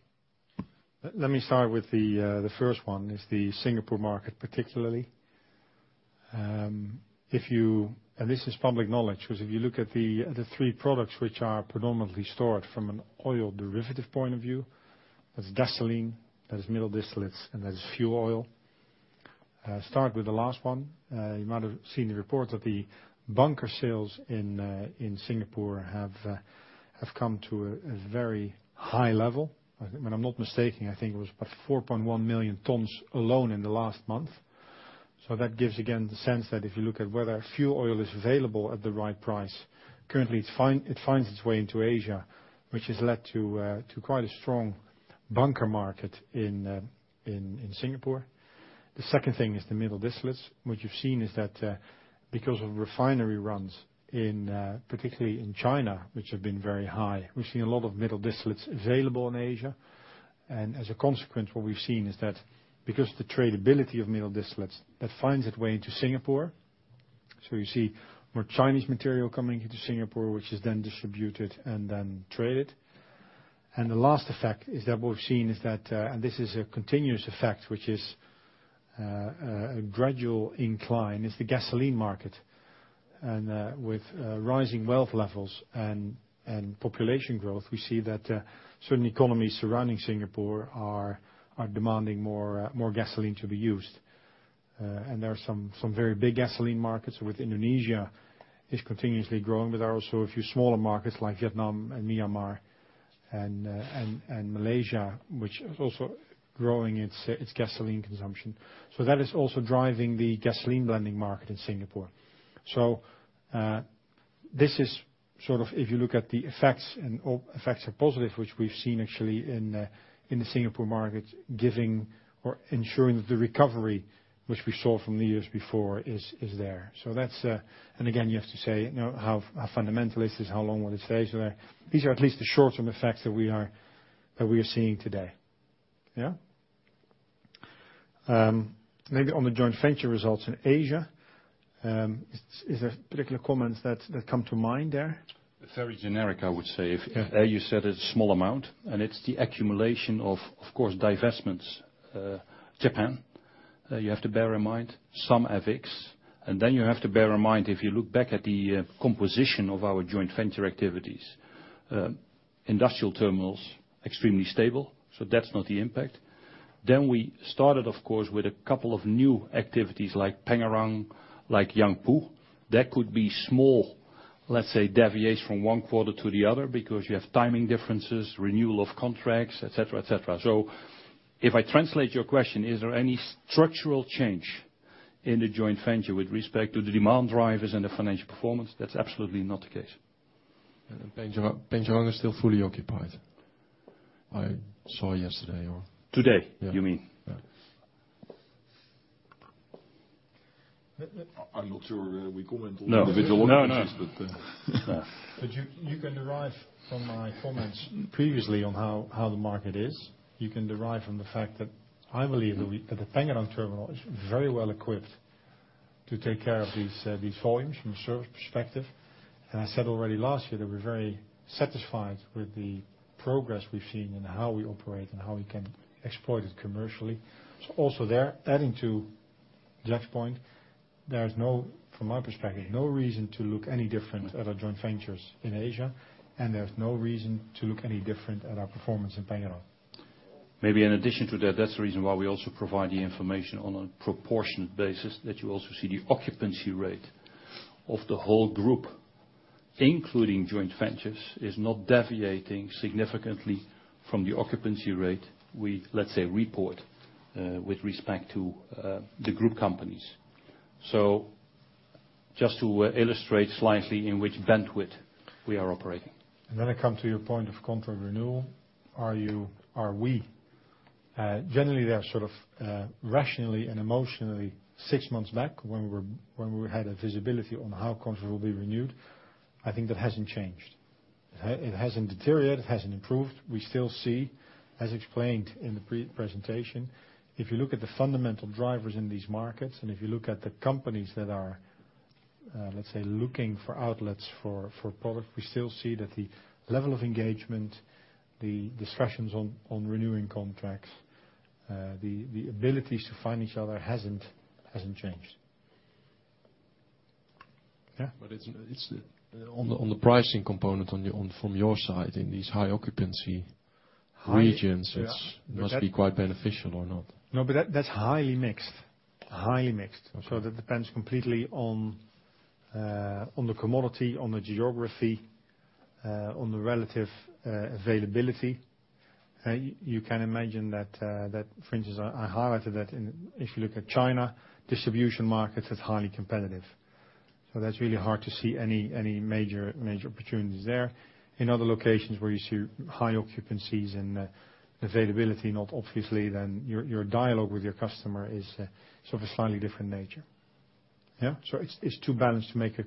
Let me start with the first one, is the Singapore market particularly. This is public knowledge, because if you look at the three products which are predominantly stored from an oil derivative point of view, there's gasoline, there's middle distillates, and there's fuel oil. Start with the last one. You might have seen the report that the bunker sales in Singapore have come to a very high level. If I'm not mistaken, I think it was about 4.1 million tons alone in the last month. That gives, again, the sense that if you look at whether fuel oil is available at the right price, currently it finds its way into Asia, which has led to quite a strong bunker market in Singapore. The second thing is the middle distillates, which you've seen is that because of refinery runs particularly in China, which have been very high, we've seen a lot of middle distillates available in Asia. As a consequence, what we've seen is that because the tradability of middle distillates that finds its way into Singapore, you see more Chinese material coming into Singapore, which is then distributed and then traded. The last effect is that what we've seen is that, this is a continuous effect, which is a gradual incline, is the gasoline market. With rising wealth levels and population growth, we see that certain economies surrounding Singapore are demanding more gasoline to be used. There are some very big gasoline markets with Indonesia is continuously growing, but there are also a few smaller markets like Vietnam and Myanmar and Malaysia, which is also growing its gasoline consumption. That is also driving the gasoline blending market in Singapore. This is sort of if you look at the effects, and all effects are positive, which we've seen actually in the Singapore market, giving or ensuring that the recovery, which we saw from the years before, is there. Again, you have to say, how fundamental is this? How long will it stay today? These are at least the short-term effects that we are seeing today. Yeah? Maybe on the joint venture results in Asia. Is there particular comments that come to mind there? Very generic, I would say. Yeah. As you said, it's a small amount, and it's the accumulation of course, divestments. Japan, you have to bear in mind, some are vigs. You have to bear in mind, if you look back at the composition of our joint venture activities, industrial terminals extremely stable, so that's not the impact. We started, of course, with a couple of new activities like Pengerang, like Yangpu. That could be small, let's say, deviates from one quarter to the other because you have timing differences, renewal of contracts, et cetera. If I translate your question, is there any structural change in the joint venture with respect to the demand drivers and the financial performance? That's absolutely not the case. Pengerang is still fully occupied. I saw yesterday or Today, you mean. Yeah. I'm not sure we comment on. No individual occupancies. You can derive from my comments previously on how the market is. You can derive from the fact that I believe that the Pengerang terminal is very well equipped to take care of these volumes from a service perspective. I said already last year that we're very satisfied with the progress we've seen in how we operate and how we can exploit it commercially. Also there, adding to Jack's point, there is, from my perspective, no reason to look any different at our joint ventures in Asia, and there's no reason to look any different at our performance in Pengerang. In addition to that's the reason why we also provide the information on a proportionate basis that you also see the occupancy rate of the whole group, including joint ventures, is not deviating significantly from the occupancy rate we, let's say, report with respect to the group companies. Just to illustrate slightly in which bandwidth we are operating. I come to your point of contract renewal. Generally, they are sort of rationally and emotionally six months back when we had a visibility on how contract will be renewed. I think that hasn't changed. It hasn't deteriorated. It hasn't improved. We still see, as explained in the presentation, if you look at the fundamental drivers in these markets, and if you look at the companies that are, let's say, looking for outlets for product, we still see that the level of engagement, the discussions on renewing contracts, the abilities to find each other hasn't changed. Yeah? On the pricing component from your side, in these high occupancy regions, it must be quite beneficial or not? No, that's highly mixed. That depends completely on the commodity, on the geography, on the relative availability. You can imagine that, for instance, I highlighted that if you look at China, distribution market is highly competitive. That's really hard to see any major opportunities there. In other locations where you see high occupancies and availability, not obviously then your dialogue with your customer is of a slightly different nature. Yeah? It's too balanced to make a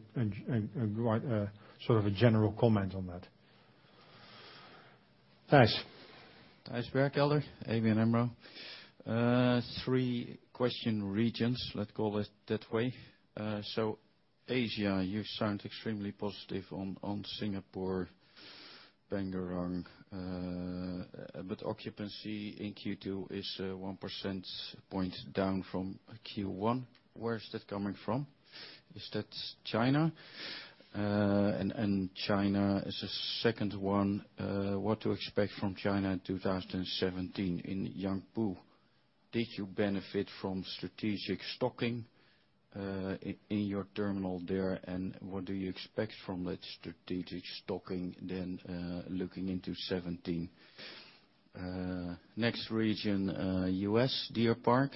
sort of a general comment on that. Thanks. Gijsbergelder, ABN AMRO. Three question regions, let's call it that way. Asia, you sound extremely positive on Singapore, Pengerang, but occupancy in Q2 is 1% point down from Q1. Where is that coming from? Is that China? China is the second one. What to expect from China in 2017? In Yangpu, did you benefit from strategic stocking in your terminal there, and what do you expect from that strategic stocking then looking into 2017? Next region, U.S., Deer Park.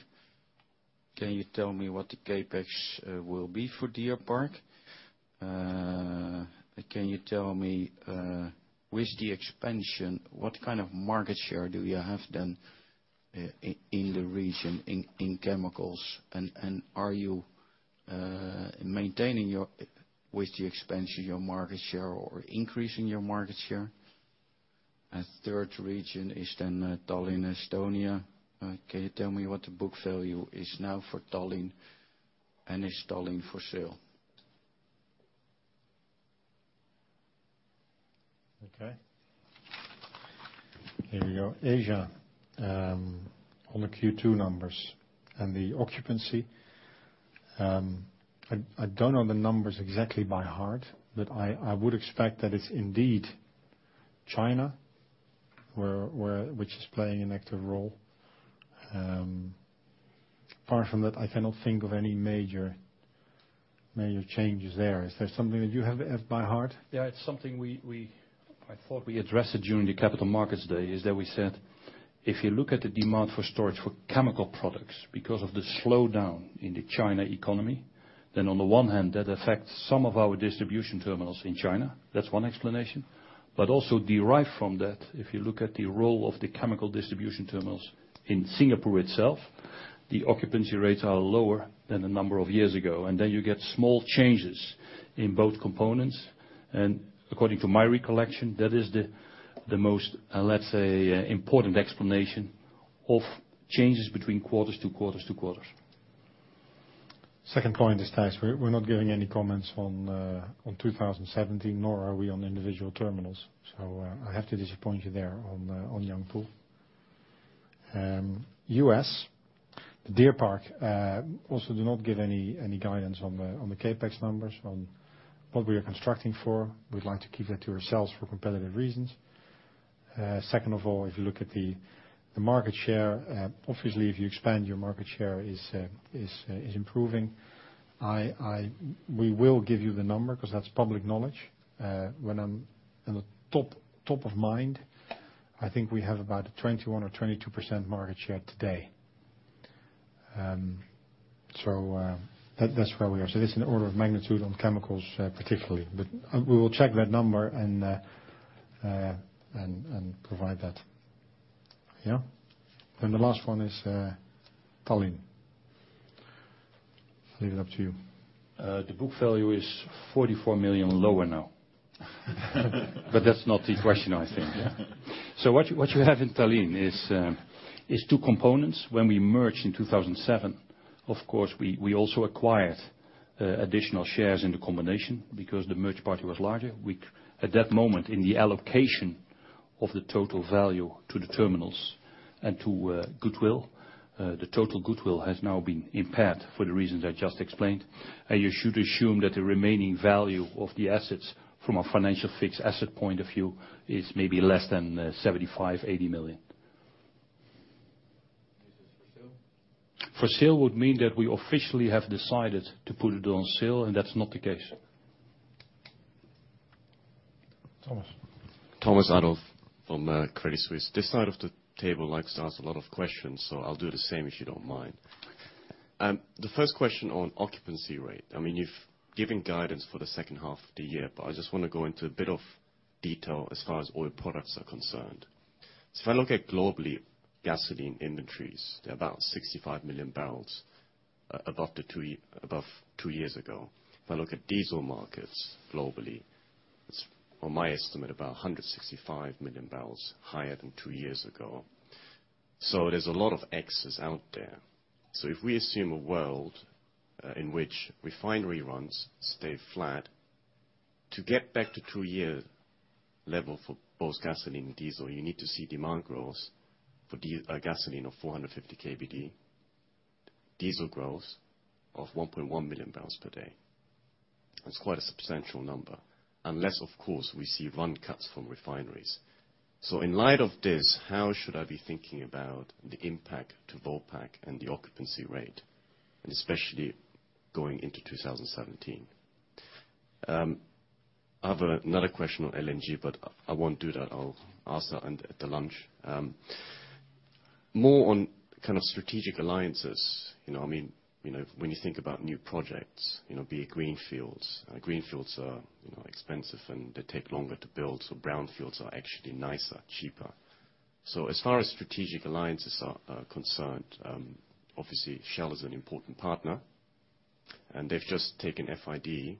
Can you tell me what the CapEx will be for Deer Park? Can you tell me with the expansion, what kind of market share do you have then in the region in chemicals, and are you maintaining with the expansion your market share or increasing your market share? Third region is Tallinn, Estonia. Can you tell me what the book value is now for Tallinn, and is Tallinn for sale? Okay. Here we go. Asia, on the Q2 numbers and the occupancy, I don't know the numbers exactly by heart, but I would expect that it's indeed China which is playing an active role. Apart from that, I cannot think of any major changes there. Is there something that you have by heart? Yeah. It's something I thought we addressed during the Capital Markets Day, is that we said, if you look at the demand for storage for chemical products, because of the slowdown in the China economy, then on the one hand, that affects some of our distribution terminals in China. That's one explanation. Also derived from that, if you look at the role of the chemical distribution terminals in Singapore itself, the occupancy rates are lower than a number of years ago. You get small changes in both components. According to my recollection, that is the most, let's say, important explanation of changes between quarters to quarters to quarters. Second point is tax. We're not giving any comments on 2017, nor are we on individual terminals. I have to disappoint you there on Yangpu. U.S., Deer Park, also do not give any guidance on the CapEx numbers on what we are constructing for. We'd like to keep that to ourselves for competitive reasons. Second of all, if you look at the market share, obviously, if you expand, your market share is improving. We will give you the number, because that's public knowledge. When I'm in the top of mind, I think we have about a 21% or 22% market share today. That's where we are. This is an order of magnitude on chemicals particularly. We will check that number and provide that. Yeah. The last one is Tallinn. I'll leave it up to you. The book value is 44 million lower now. That's not the question, I think. Yeah. What you have in Tallinn is two components. When we merged in 2007, of course, we also acquired additional shares in the combination because the merged party was larger. At that moment, in the allocation of the total value to the terminals and to goodwill, the total goodwill has now been impaired for the reasons I just explained. You should assume that the remaining value of the assets from a financial fixed asset point of view is maybe less than 75 million-80 million. This is for sale? For sale would mean that we officially have decided to put it on sale, that's not the case. Thomas. Thomas Adolff from Credit Suisse. This side of the table likes to ask a lot of questions, I'll do the same, if you don't mind. The first question on occupancy rate. You've given guidance for the second half of the year, I just want to go into a bit of detail as far as oil products are concerned. If I look at globally, gasoline inventories, they're about 65 million barrels above two years ago. If I look at diesel markets globally, it's, on my estimate, about 165 million barrels higher than two years ago. There's a lot of Xs out there. If we assume a world in which refinery runs stay flat, to get back to two-year level for both gasoline and diesel, you need to see demand growth for gasoline of 450 KBD, diesel growth of 1.1 million barrels per day. That's quite a substantial number. Unless, of course, we see run cuts from refineries. In light of this, how should I be thinking about the impact to Vopak and the occupancy rate? Especially going into 2017? I have another question on LNG, I won't do that. I'll ask that at the lunch. More on strategic alliances. When you think about new projects, be it greenfields. Greenfields are expensive, they take longer to build, brownfields are actually nicer, cheaper. As far as strategic alliances are concerned, obviously Shell is an important partner, they've just taken FID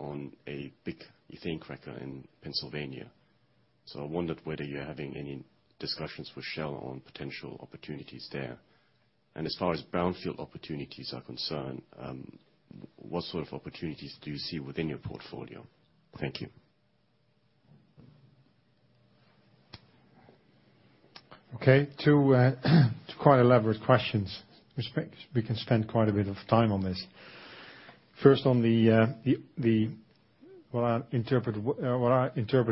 on a big ethane cracker in Pennsylvania. I wondered whether you're having any discussions with Shell on potential opportunities there. As far as brownfield opportunities are concerned, what sort of opportunities do you see within your portfolio? Thank you. Okay. Two quite elaborate questions. We can spend quite a bit of time on this. First, on what I interpret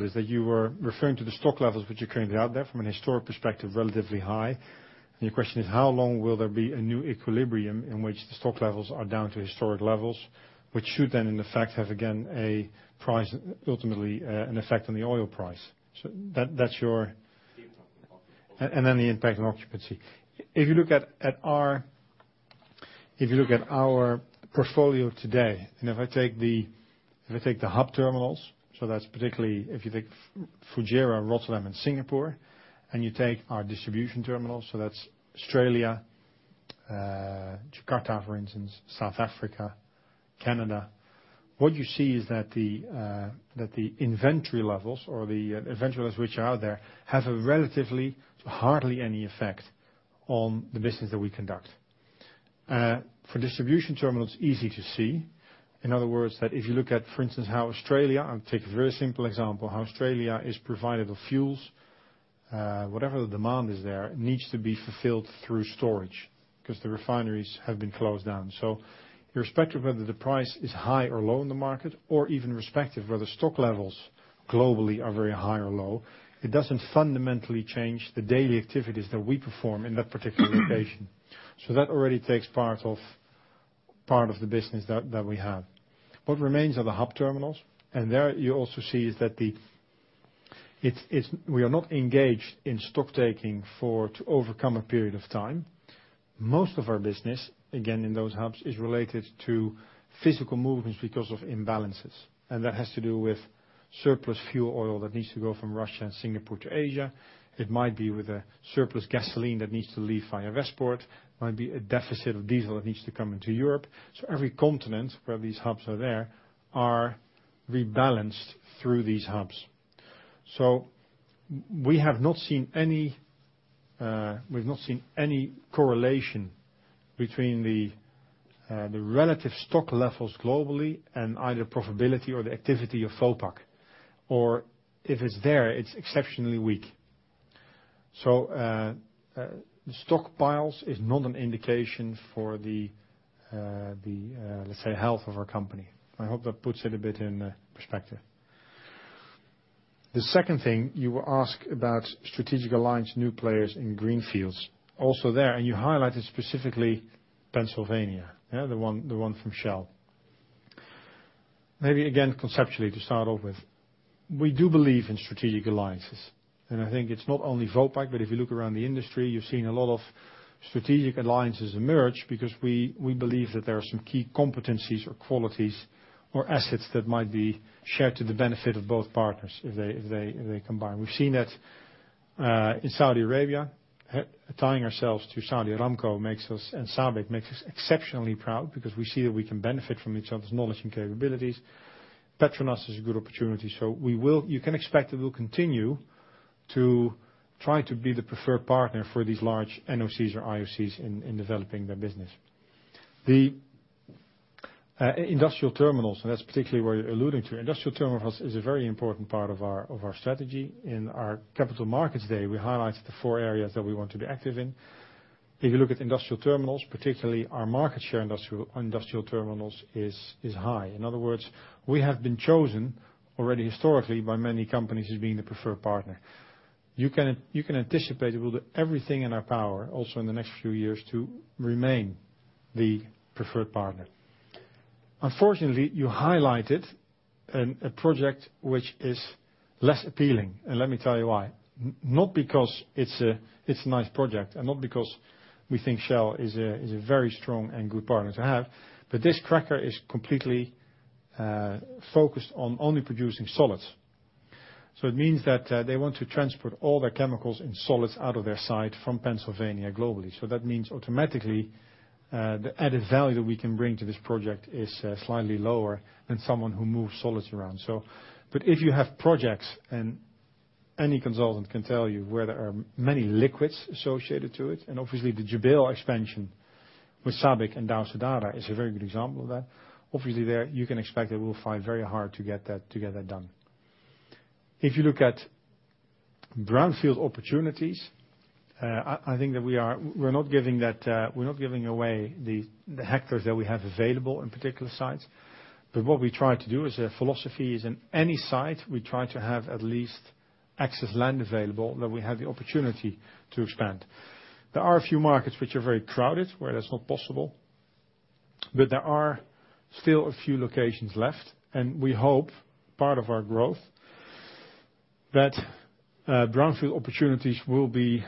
is that you were referring to the stock levels, which are currently out there from a historic perspective, relatively high. Your question is, how long will there be a new equilibrium in which the stock levels are down to historic levels, which should then in effect have, again, ultimately an effect on the oil price? The impact on occupancy. The impact on occupancy. If you look at our portfolio today, if I take the hub terminals, so that's particularly if you take Fujairah, Rotterdam, and Singapore, you take our distribution terminals, so that's Australia, Jakarta, for instance, South Africa, Canada. What you see is that the inventory levels which are out there have relatively hardly any effect on the business that we conduct. For distribution terminals, it's easy to see. In other words, that if you look at, for instance, how Australia, I'll take a very simple example, how Australia is provided with fuels. Whatever the demand is there, it needs to be fulfilled through storage because the refineries have been closed down. Irrespective of whether the price is high or low in the market or even irrespective whether stock levels globally are very high or low, it doesn't fundamentally change the daily activities that we perform in that particular location. That already takes part of the business that we have. What remains are the hub terminals. There you also see is that we are not engaged in stock taking to overcome a period of time. Most of our business, again, in those hubs, is related to physical movements because of imbalances. That has to do with surplus fuel oil that needs to go from Russia and Singapore to Asia. It might be with a surplus gasoline that needs to leave via Vesper. It might be a deficit of diesel that needs to come into Europe. Every continent where these hubs are there are rebalanced through these hubs. We've not seen any correlation between the relative stock levels globally and either profitability or the activity of Vopak, or if it's there, it's exceptionally weak. Stockpiles is not an indication for the, let's say, health of our company. I hope that puts it a bit in perspective. The second thing, you ask about strategic alliance, new players in greenfields. Also there, you highlighted specifically Pennsylvania, the one from Shell. Maybe again, conceptually, to start off with, we do believe in strategic alliances, I think it's not only Vopak, but if you look around the industry, you're seeing a lot of strategic alliances emerge because we believe that there are some key competencies or qualities or assets that might be shared to the benefit of both partners if they combine. We've seen that in Saudi Arabia, tying ourselves to Saudi Aramco and SABIC makes us exceptionally proud because we see that we can benefit from each other's knowledge and capabilities. PETRONAS is a good opportunity. You can expect that we'll continue to try to be the preferred partner for these large NOCs or IOCs in developing their business. The industrial terminals, and that's particularly where you're alluding to. Industrial terminals is a very important part of our strategy. In our Capital Markets Day, we highlighted the four areas that we want to be active in. If you look at industrial terminals, particularly our market share on industrial terminals is high. In other words, we have been chosen already historically by many companies as being the preferred partner. You can anticipate that we'll do everything in our power, also in the next few years, to remain the preferred partner. Unfortunately, you highlighted a project which is less appealing, and let me tell you why. Not because it's a nice project and not because we think Shell is a very strong and good partner to have, but this cracker is completely focused on only producing solids. It means that they want to transport all their chemicals and solids out of their site from Pennsylvania globally. That means automatically, the added value that we can bring to this project is slightly lower than someone who moves solids around. If you have projects, and any consultant can tell you where there are many liquids associated to it, and obviously the Jubail expansion with SABIC and Dow Sadara is a very good example of that. There, you can expect that we'll find very hard to get that done. If you look at brownfield opportunities, I think that we're not giving away the hectares that we have available in particular sites. What we try to do as a philosophy is in any site, we try to have at least excess land available that we have the opportunity to expand. There are a few markets which are very crowded, where that's not possible. There are still a few locations left, and we hope part of our growth, that brownfield opportunities will be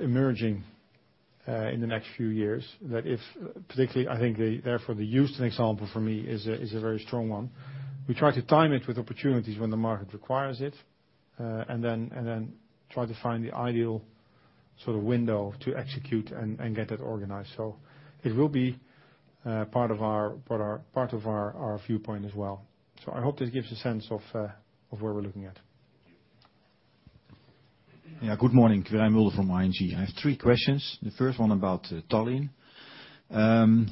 emerging in the next few years. That if particularly, I think therefore the Houston example for me is a very strong one. We try to time it with opportunities when the market requires it, and then try to find the ideal window to execute and get it organized. It will be part of our viewpoint as well. I hope this gives a sense of where we're looking at. Yeah. Good morning, Quirijn Mulder from ING. I have three questions. The first one about Tallinn.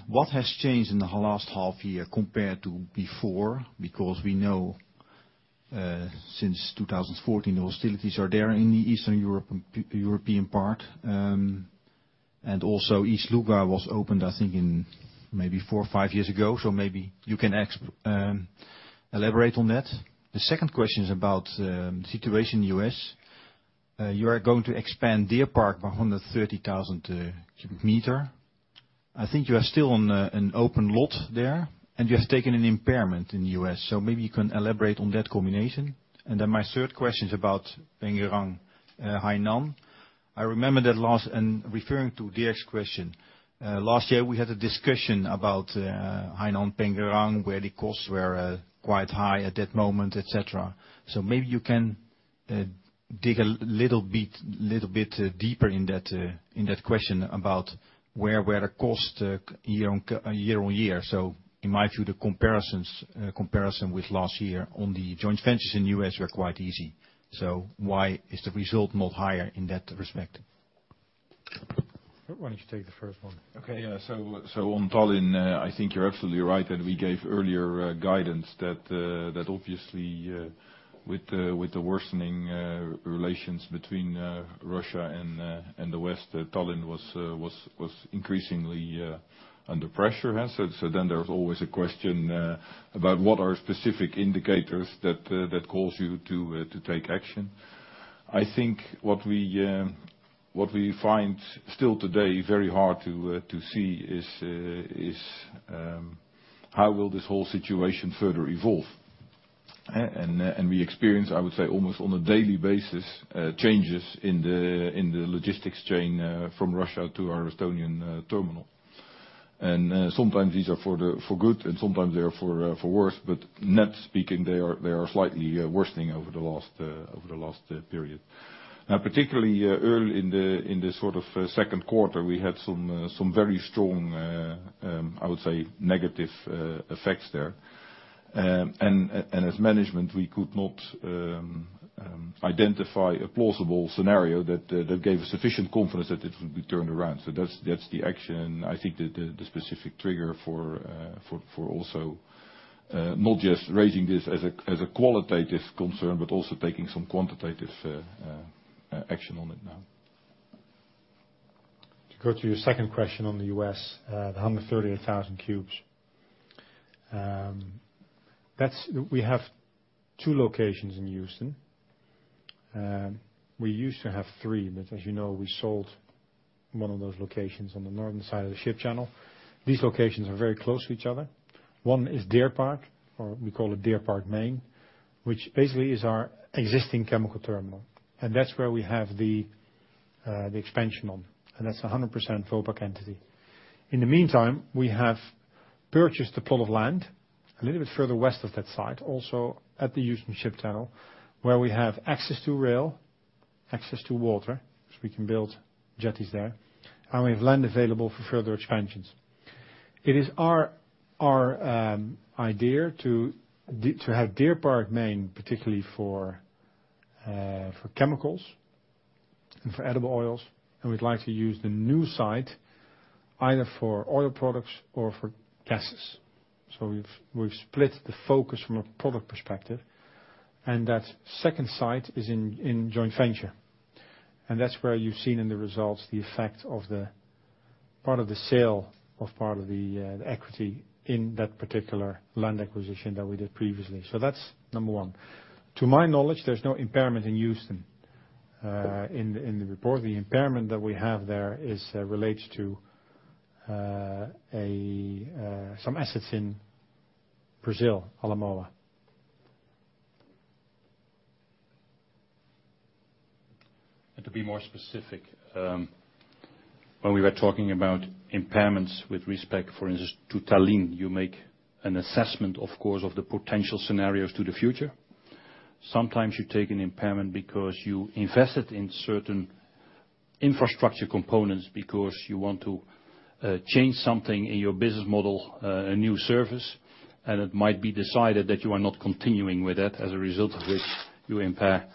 What has changed in the last half year compared to before? Because we know, since 2014, the hostilities are there in the Eastern European part. Ust-Luga was opened, I think, maybe four or five years ago. Maybe you can elaborate on that. The second question is about situation in the U.S. You are going to expand Deer Park by 130,000 cubic meter. I think you are still on an open lot there, and you have taken an impairment in the U.S., maybe you can elaborate on that combination. My third question is about Pengerang, Hainan. I remember that last, and referring to Dirk's question, last year we had a discussion about Hainan Pengerang, where the costs were quite high at that moment, et cetera. Maybe you can dig a little bit deeper in that question about where were the cost year-on-year. In my view, the comparison with last year on the joint ventures in U.S. were quite easy. Why is the result not higher in that respect? Why don't you take the first one? Okay. Yeah. On Tallinn, I think you're absolutely right that we gave earlier guidance that obviously, with the worsening relations between Russia and the West, that Tallinn was increasingly under pressure. There's always a question about what are specific indicators that calls you to take action. I think what we find still today very hard to see is how will this whole situation further evolve. We experience, I would say, almost on a daily basis, changes in the logistics chain from Russia to our Estonian terminal. Sometimes these are for good and sometimes they are for worse, but net speaking, they are slightly worsening over the last period. Particularly early in the second quarter, we had some very strong, I would say, negative effects there. As management, we could not identify a plausible scenario that gave us sufficient confidence that it would be turned around. That's the action, I think the specific trigger for also not just raising this as a qualitative concern, but also taking some quantitative action on it now. To go to your second question on the U.S., the 138,000 cubes. We have two locations in Houston. We used to have three, but as you know, we sold one of those locations on the northern side of the ship channel. These locations are very close to each other. One is Deer Park, or we call it Deer Park Main, which basically is our existing chemical terminal, and that's where we have the expansion on, and that's 100% Vopak entity. In the meantime, we have purchased a plot of land a little bit further west of that site, also at the Houston Ship Channel, where we have access to rail, access to water, so we can build jetties there, and we have land available for further expansions. It is our idea to have Deer Park Main, particularly for chemicals and for edible oils, and we'd like to use the new site either for oil products or for gases. We've split the focus from a product perspective, and that second site is in joint venture, and that's where you've seen in the results the effect of part of the sale of part of the equity in that particular land acquisition that we did previously. That's number one. To my knowledge, there's no impairment in Houston. In the report, the impairment that we have there is related to some assets in Brazil, Alemoa. To be more specific, when we were talking about impairments with respect, for instance, to Tallinn, you make an assessment, of course, of the potential scenarios to the future. Sometimes you take an impairment because you invested in certain infrastructure components, because you want to change something in your business model, a new service, and it might be decided that you are not continuing with it, as a result of which you impair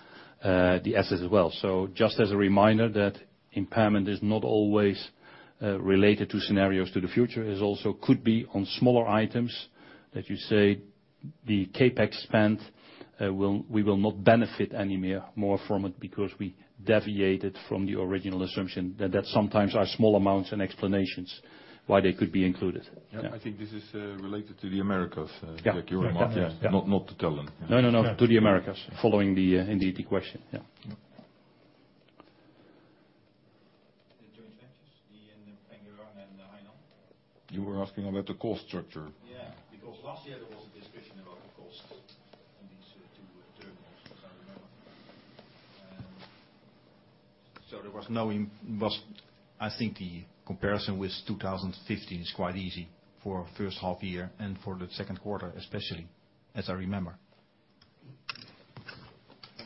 the assets as well. Just as a reminder that impairment is not always related to scenarios to the future, it also could be on smaller items that you say the CapEx spent, we will not benefit any more from it because we deviated from the original assumption. That sometimes are small amounts and explanations why they could be included. Yeah. I think this is related to the Americas. Yeah Jack. You were marking. Yeah. Not to Tallinn. No, to the Americas. Following indeed the question. Yeah. Yep. The joint ventures, the Yangpu and Pengerang and the Hainan. You were asking about the cost structure. Last year there was a discussion about the cost in these two terminals as I remember. I think the comparison with 2015 is quite easy for first half year and for the second quarter, especially as I remember.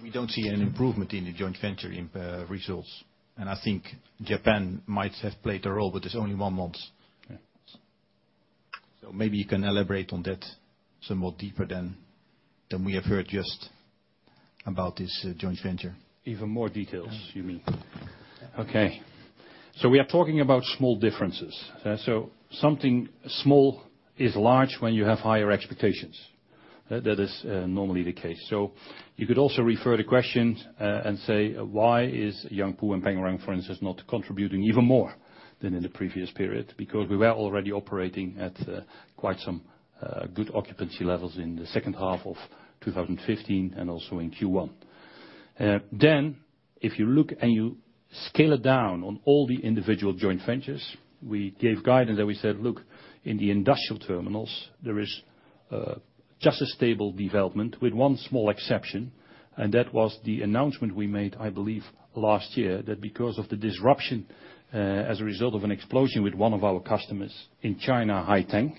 We don't see an improvement in the joint venture in results. I think Japan might have played a role, but it's only one month. Yeah. Maybe you can elaborate on that some more deeper than we have heard just about this joint venture. Even more details you mean? Yeah. Okay. We are talking about small differences. Something small is large when you have higher expectations. That is normally the case. You could also refer the question and say, why is Yangpu and Pengerang, for instance, not contributing even more than in the previous period? Because we were already operating at quite some good occupancy levels in the second half of 2015 and also in Q1. If you look and you scale it down on all the individual joint ventures, we gave guidance that we said, look, in the industrial terminals, there is just a stable development with one small exception. That was the announcement we made, I believe, last year, that because of the disruption as a result of an explosion with one of our customers in China, Haiteng,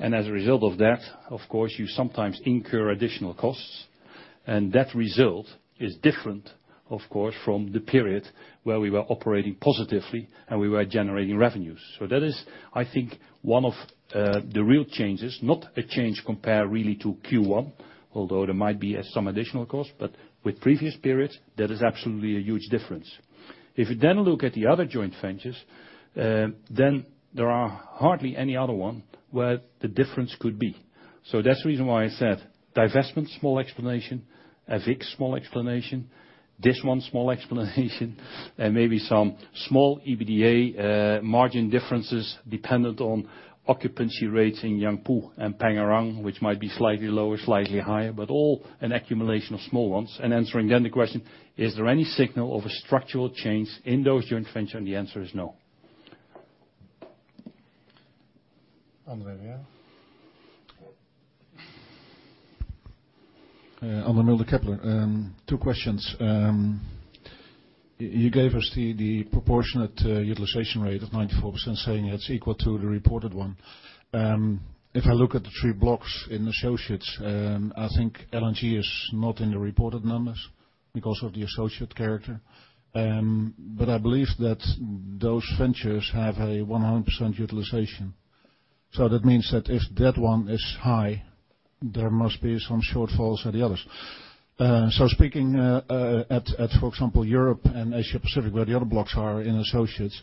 and as a result of that, of course, you sometimes incur additional costs. That result is different, of course, from the period where we were operating positively and we were generating revenues. That is, I think, one of the real changes, not a change compared really to Q1, although there might be some additional cost, but with previous periods, that is absolutely a huge difference. If you look at the other joint ventures, there are hardly any other one where the difference could be. That's the reason why I said divestment, small explanation, a vig, small explanation, this one, small explanation, and maybe some small EBITDA, margin differences dependent on occupancy rates in Yangpu and Pengerang, which might be slightly lower, slightly higher, but all an accumulation of small ones. Answering the question, is there any signal of a structural change in those joint venture? The answer is no. Andre, yeah. Andre Mulder, Kepler. Two questions. You gave us the proportionate utilization rate of 94% saying it's equal to the reported one. If I look at the three blocks in associates, I think LNG is not in the reported numbers because of the associate character. I believe that those ventures have a 100% utilization. That means that if that one is high, there must be some shortfalls in the others. Speaking at, for example, Europe and Asia Pacific, where the other blocks are in associates,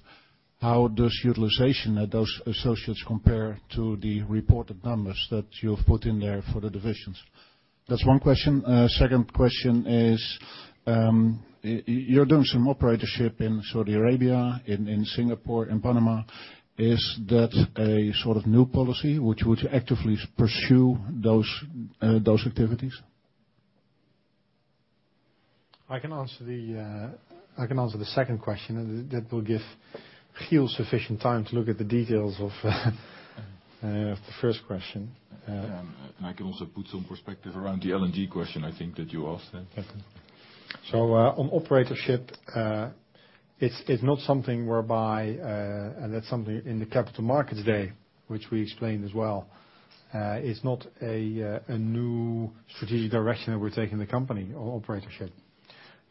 how does utilization at those associates compare to the reported numbers that you've put in there for the divisions? That's one question. Second question is, you're doing some operatorship in Saudi Arabia, in Singapore, in Panama. Is that a sort of new policy, would you actively pursue those activities? I can answer the second question. That will give Giel sufficient time to look at the details of the first question. I can also put some perspective around the LNG question I think that you asked then. Okay. On operatorship, it's not something whereby. That's something in the Capital Markets Day, which we explained as well. It's not a new strategic direction that we're taking the company on operatorship.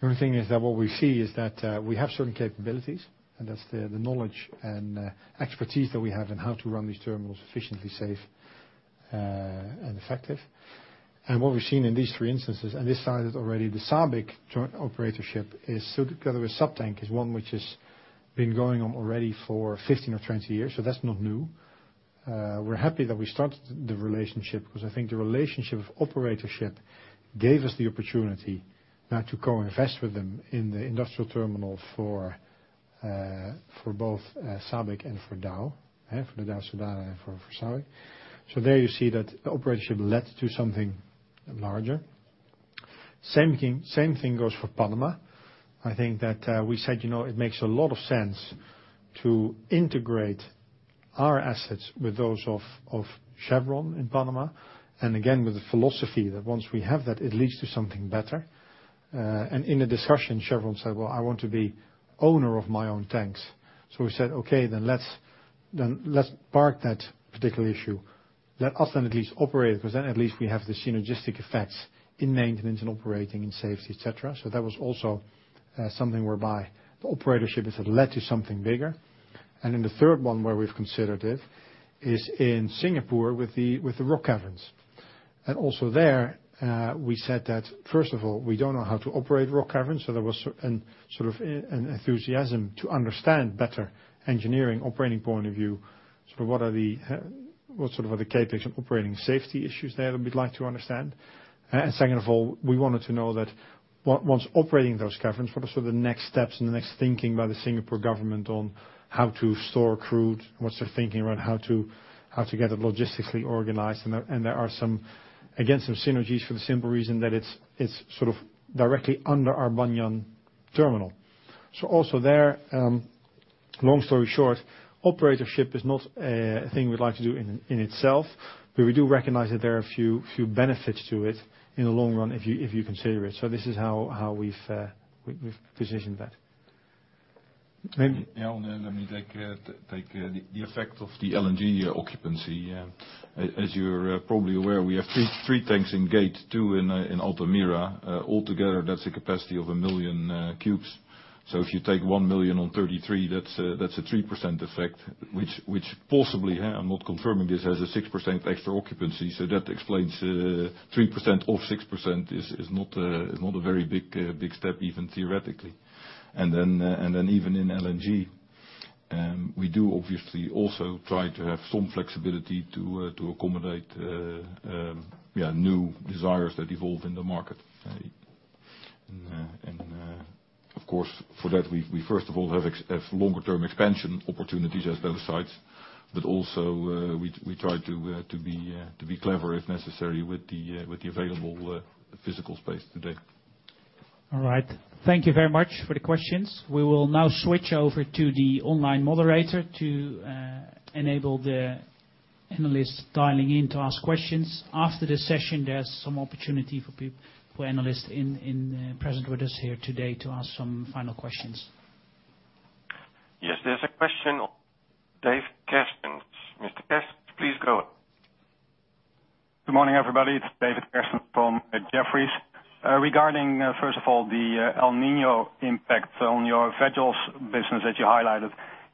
The only thing is that what we see is that we have certain capabilities, and that's the knowledge and expertise that we have in how to run these terminals efficiently, safe, and effective. What we've seen in these three instances, and this side is already the SABIC joint operatorship is together with SabTank, is one which has been going on already for 15 or 20 years. That's not new. We're happy that we started the relationship. I think the relationship of operatorship gave us the opportunity now to co-invest with them in the industrial terminal for both SABIC and for Dow. For Dow, SABIC and for SABIC. There you see that the operatorship led to something larger. Same thing goes for Panama. I think that we said it makes a lot of sense to integrate our assets with those of Chevron in Panama, and again, with the philosophy that once we have that, it leads to something better. In the discussion, Chevron said, "Well, I want to be owner of my own tanks." We said, "Okay, then let's park that particular issue. Let us at least operate it, because then at least we have the synergistic effects in maintenance and operating and safety, et cetera." That was also something whereby the operatorship has led to something bigger. The third one where we've considered it is in Singapore with the rock caverns. Also there, we said that first of all, we don't know how to operate rock caverns, so there was certain sort of an enthusiasm to understand better engineering operating point of view. What are the sort of the CapEx and operating safety issues there that we'd like to understand? Second of all, we wanted to know that once operating those caverns, what are sort of the next steps and the next thinking by the Singapore government on how to store crude? What's their thinking around how to get it logistically organized? There are again, some synergies for the simple reason that it's sort of directly under our Banyan terminal. Also there, long story short, operatorship is not a thing we'd like to do in itself, but we do recognize that there are a few benefits to it in the long run if you consider it. This is how we've positioned that. Let me take the effect of the LNG occupancy. As you're probably aware, we have three tanks in Gate, two in Altamira. Altogether, that's a capacity of 1 million cubes. If you take 1 million on 33, that's a 3% effect which possibly, I'm not confirming this, has a 6% extra occupancy. That explains 3% of 6% is not a very big step, even theoretically. Even in LNG, we do obviously also try to have some flexibility to accommodate new desires that evolve in the market. Of course, for that, we first of all have longer term expansion opportunities at both sites. Also, we try to be clever, if necessary, with the available physical space today. All right. Thank you very much for the questions. We will now switch over to the online moderator to enable the analysts dialing in to ask questions. After this session, there is some opportunity for analysts present with us here today to ask some final questions. Yes, there is a question. David Kerstens. Mr. Kerstens, please go on. Good morning, everybody. It is David Kerstens from Jefferies. Regarding, first of all, the El Niño impact on your veg oils business that you highlighted,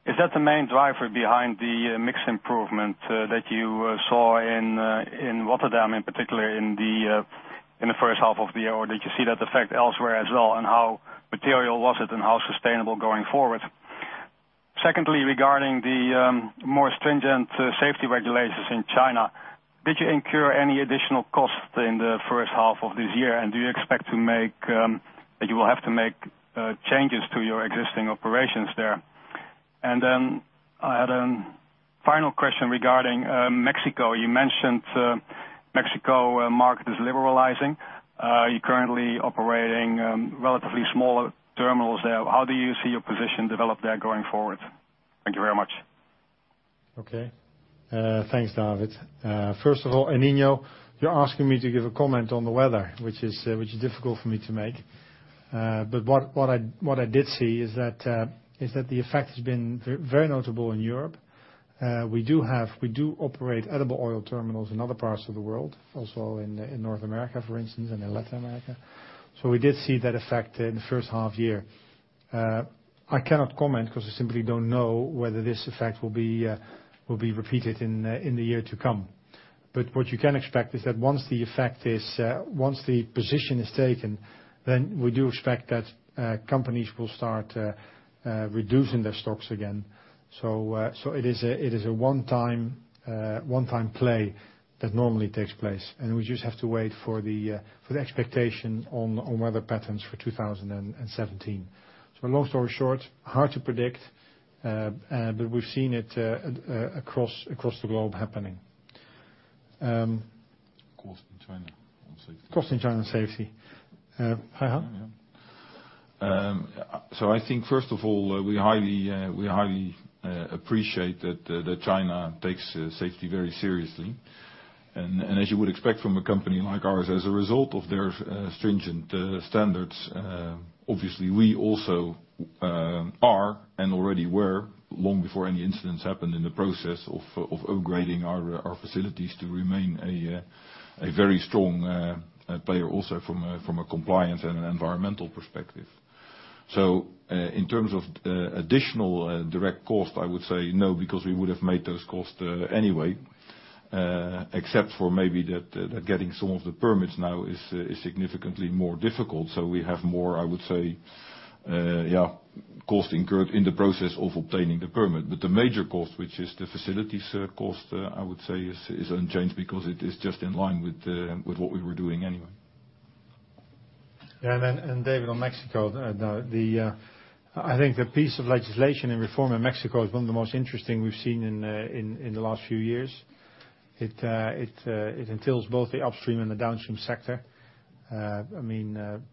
is that the main driver behind the mix improvement that you saw in Rotterdam, in particular in the first half of the year? Did you see that effect elsewhere as well, and how material was it and how sustainable going forward? Secondly, regarding the more stringent safety regulations in China, did you incur any additional costs in the first half of this year, and do you expect that you will have to make changes to your existing operations there? I had a final question regarding Mexico. You mentioned Mexico market is liberalizing. Are you currently operating relatively smaller terminals there? How do you see your position develop there going forward? Thank you very much. Okay. Thanks, David. First of all, El Niño, you are asking me to give a comment on the weather, which is difficult for me to make. What I did see is that the effect has been very notable in Europe. We do operate edible oil terminals in other parts of the world also in North America, for instance, and in Latin America. We did see that effect in the first half year. I cannot comment because I simply don't know whether this effect will be repeated in the year to come. What you can expect is that once the position is taken, then we do expect that companies will start reducing their stocks again. It is a one-time play that normally takes place, and we just have to wait for the expectation on weather patterns for 2017. Long story short, hard to predict, but we've seen it happening across the globe. Cost in China on safety. Cost in China on safety. Yeah, Han? I think, first of all, we highly appreciate that China takes safety very seriously. As you would expect from a company like ours, as a result of their stringent standards, obviously we also are, and already were long before any incidents happened in the process of upgrading our facilities to remain a very strong player, also from a compliance and an environmental perspective. In terms of additional direct cost, I would say no, because we would have made those costs anyway, except for maybe that getting some of the permits now is significantly more difficult. We have more, I would say, cost incurred in the process of obtaining the permit. The major cost, which is the facilities cost, I would say is unchanged because it is just in line with what we were doing anyway. Yeah. David, on Mexico, I think the piece of legislation in reform in Mexico is one of the most interesting we've seen in the last few years. It entails both the upstream and the downstream sector.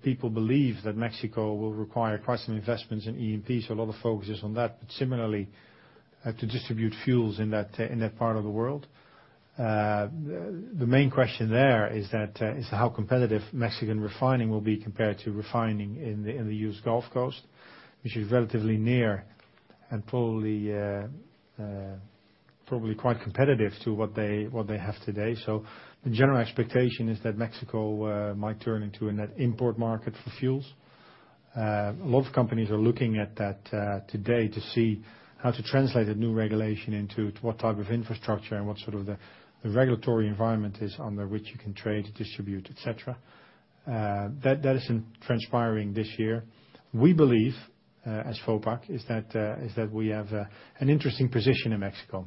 People believe that Mexico will require quite some investments in E&P, a lot of focus is on that. Similarly, to distribute fuels in that part of the world, the main question there is how competitive Mexican refining will be compared to refining in the U.S. Gulf Coast, which is relatively near and probably quite competitive to what they have today. The general expectation is that Mexico might turn into a net import market for fuels. A lot of companies are looking at that today to see how to translate the new regulation into what type of infrastructure and what sort of the regulatory environment is under which you can trade, distribute, et cetera. That is transpiring this year. We believe, as Vopak, is that we have an interesting position in Mexico.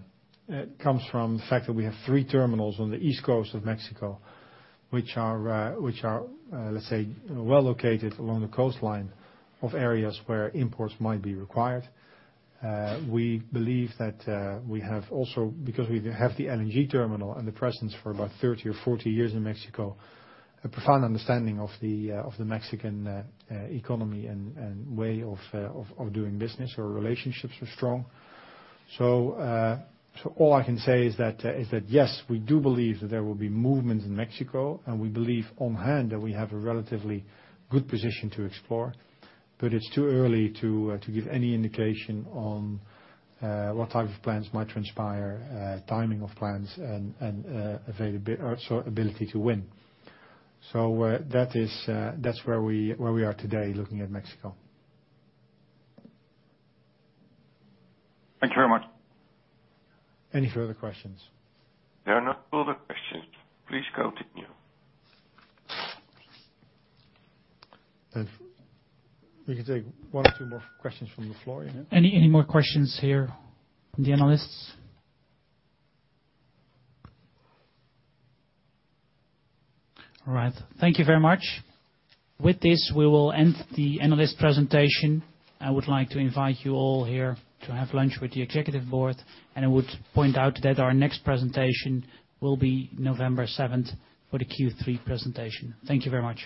It comes from the fact that we have 3 terminals on the east coast of Mexico, which are well located along the coastline of areas where imports might be required. We believe that we have also, because we have the LNG terminal and the presence for about 30 or 40 years in Mexico, a profound understanding of the Mexican economy and way of doing business. Our relationships are strong. All I can say is that, yes, we do believe that there will be movement in Mexico, and we believe on hand that we have a relatively good position to explore. It's too early to give any indication on what type of plans might transpire, timing of plans, and ability to win. That's where we are today, looking at Mexico. Thank you very much. Any further questions? There are no further questions. Please go ahead now. We can take one or two more questions from the floor, yeah? Any more questions here from the analysts? All right. Thank you very much. With this, we will end the analyst presentation. I would like to invite you all here to have lunch with the Executive Board, and I would point out that our next presentation will be November 7th for the Q3 presentation. Thank you very much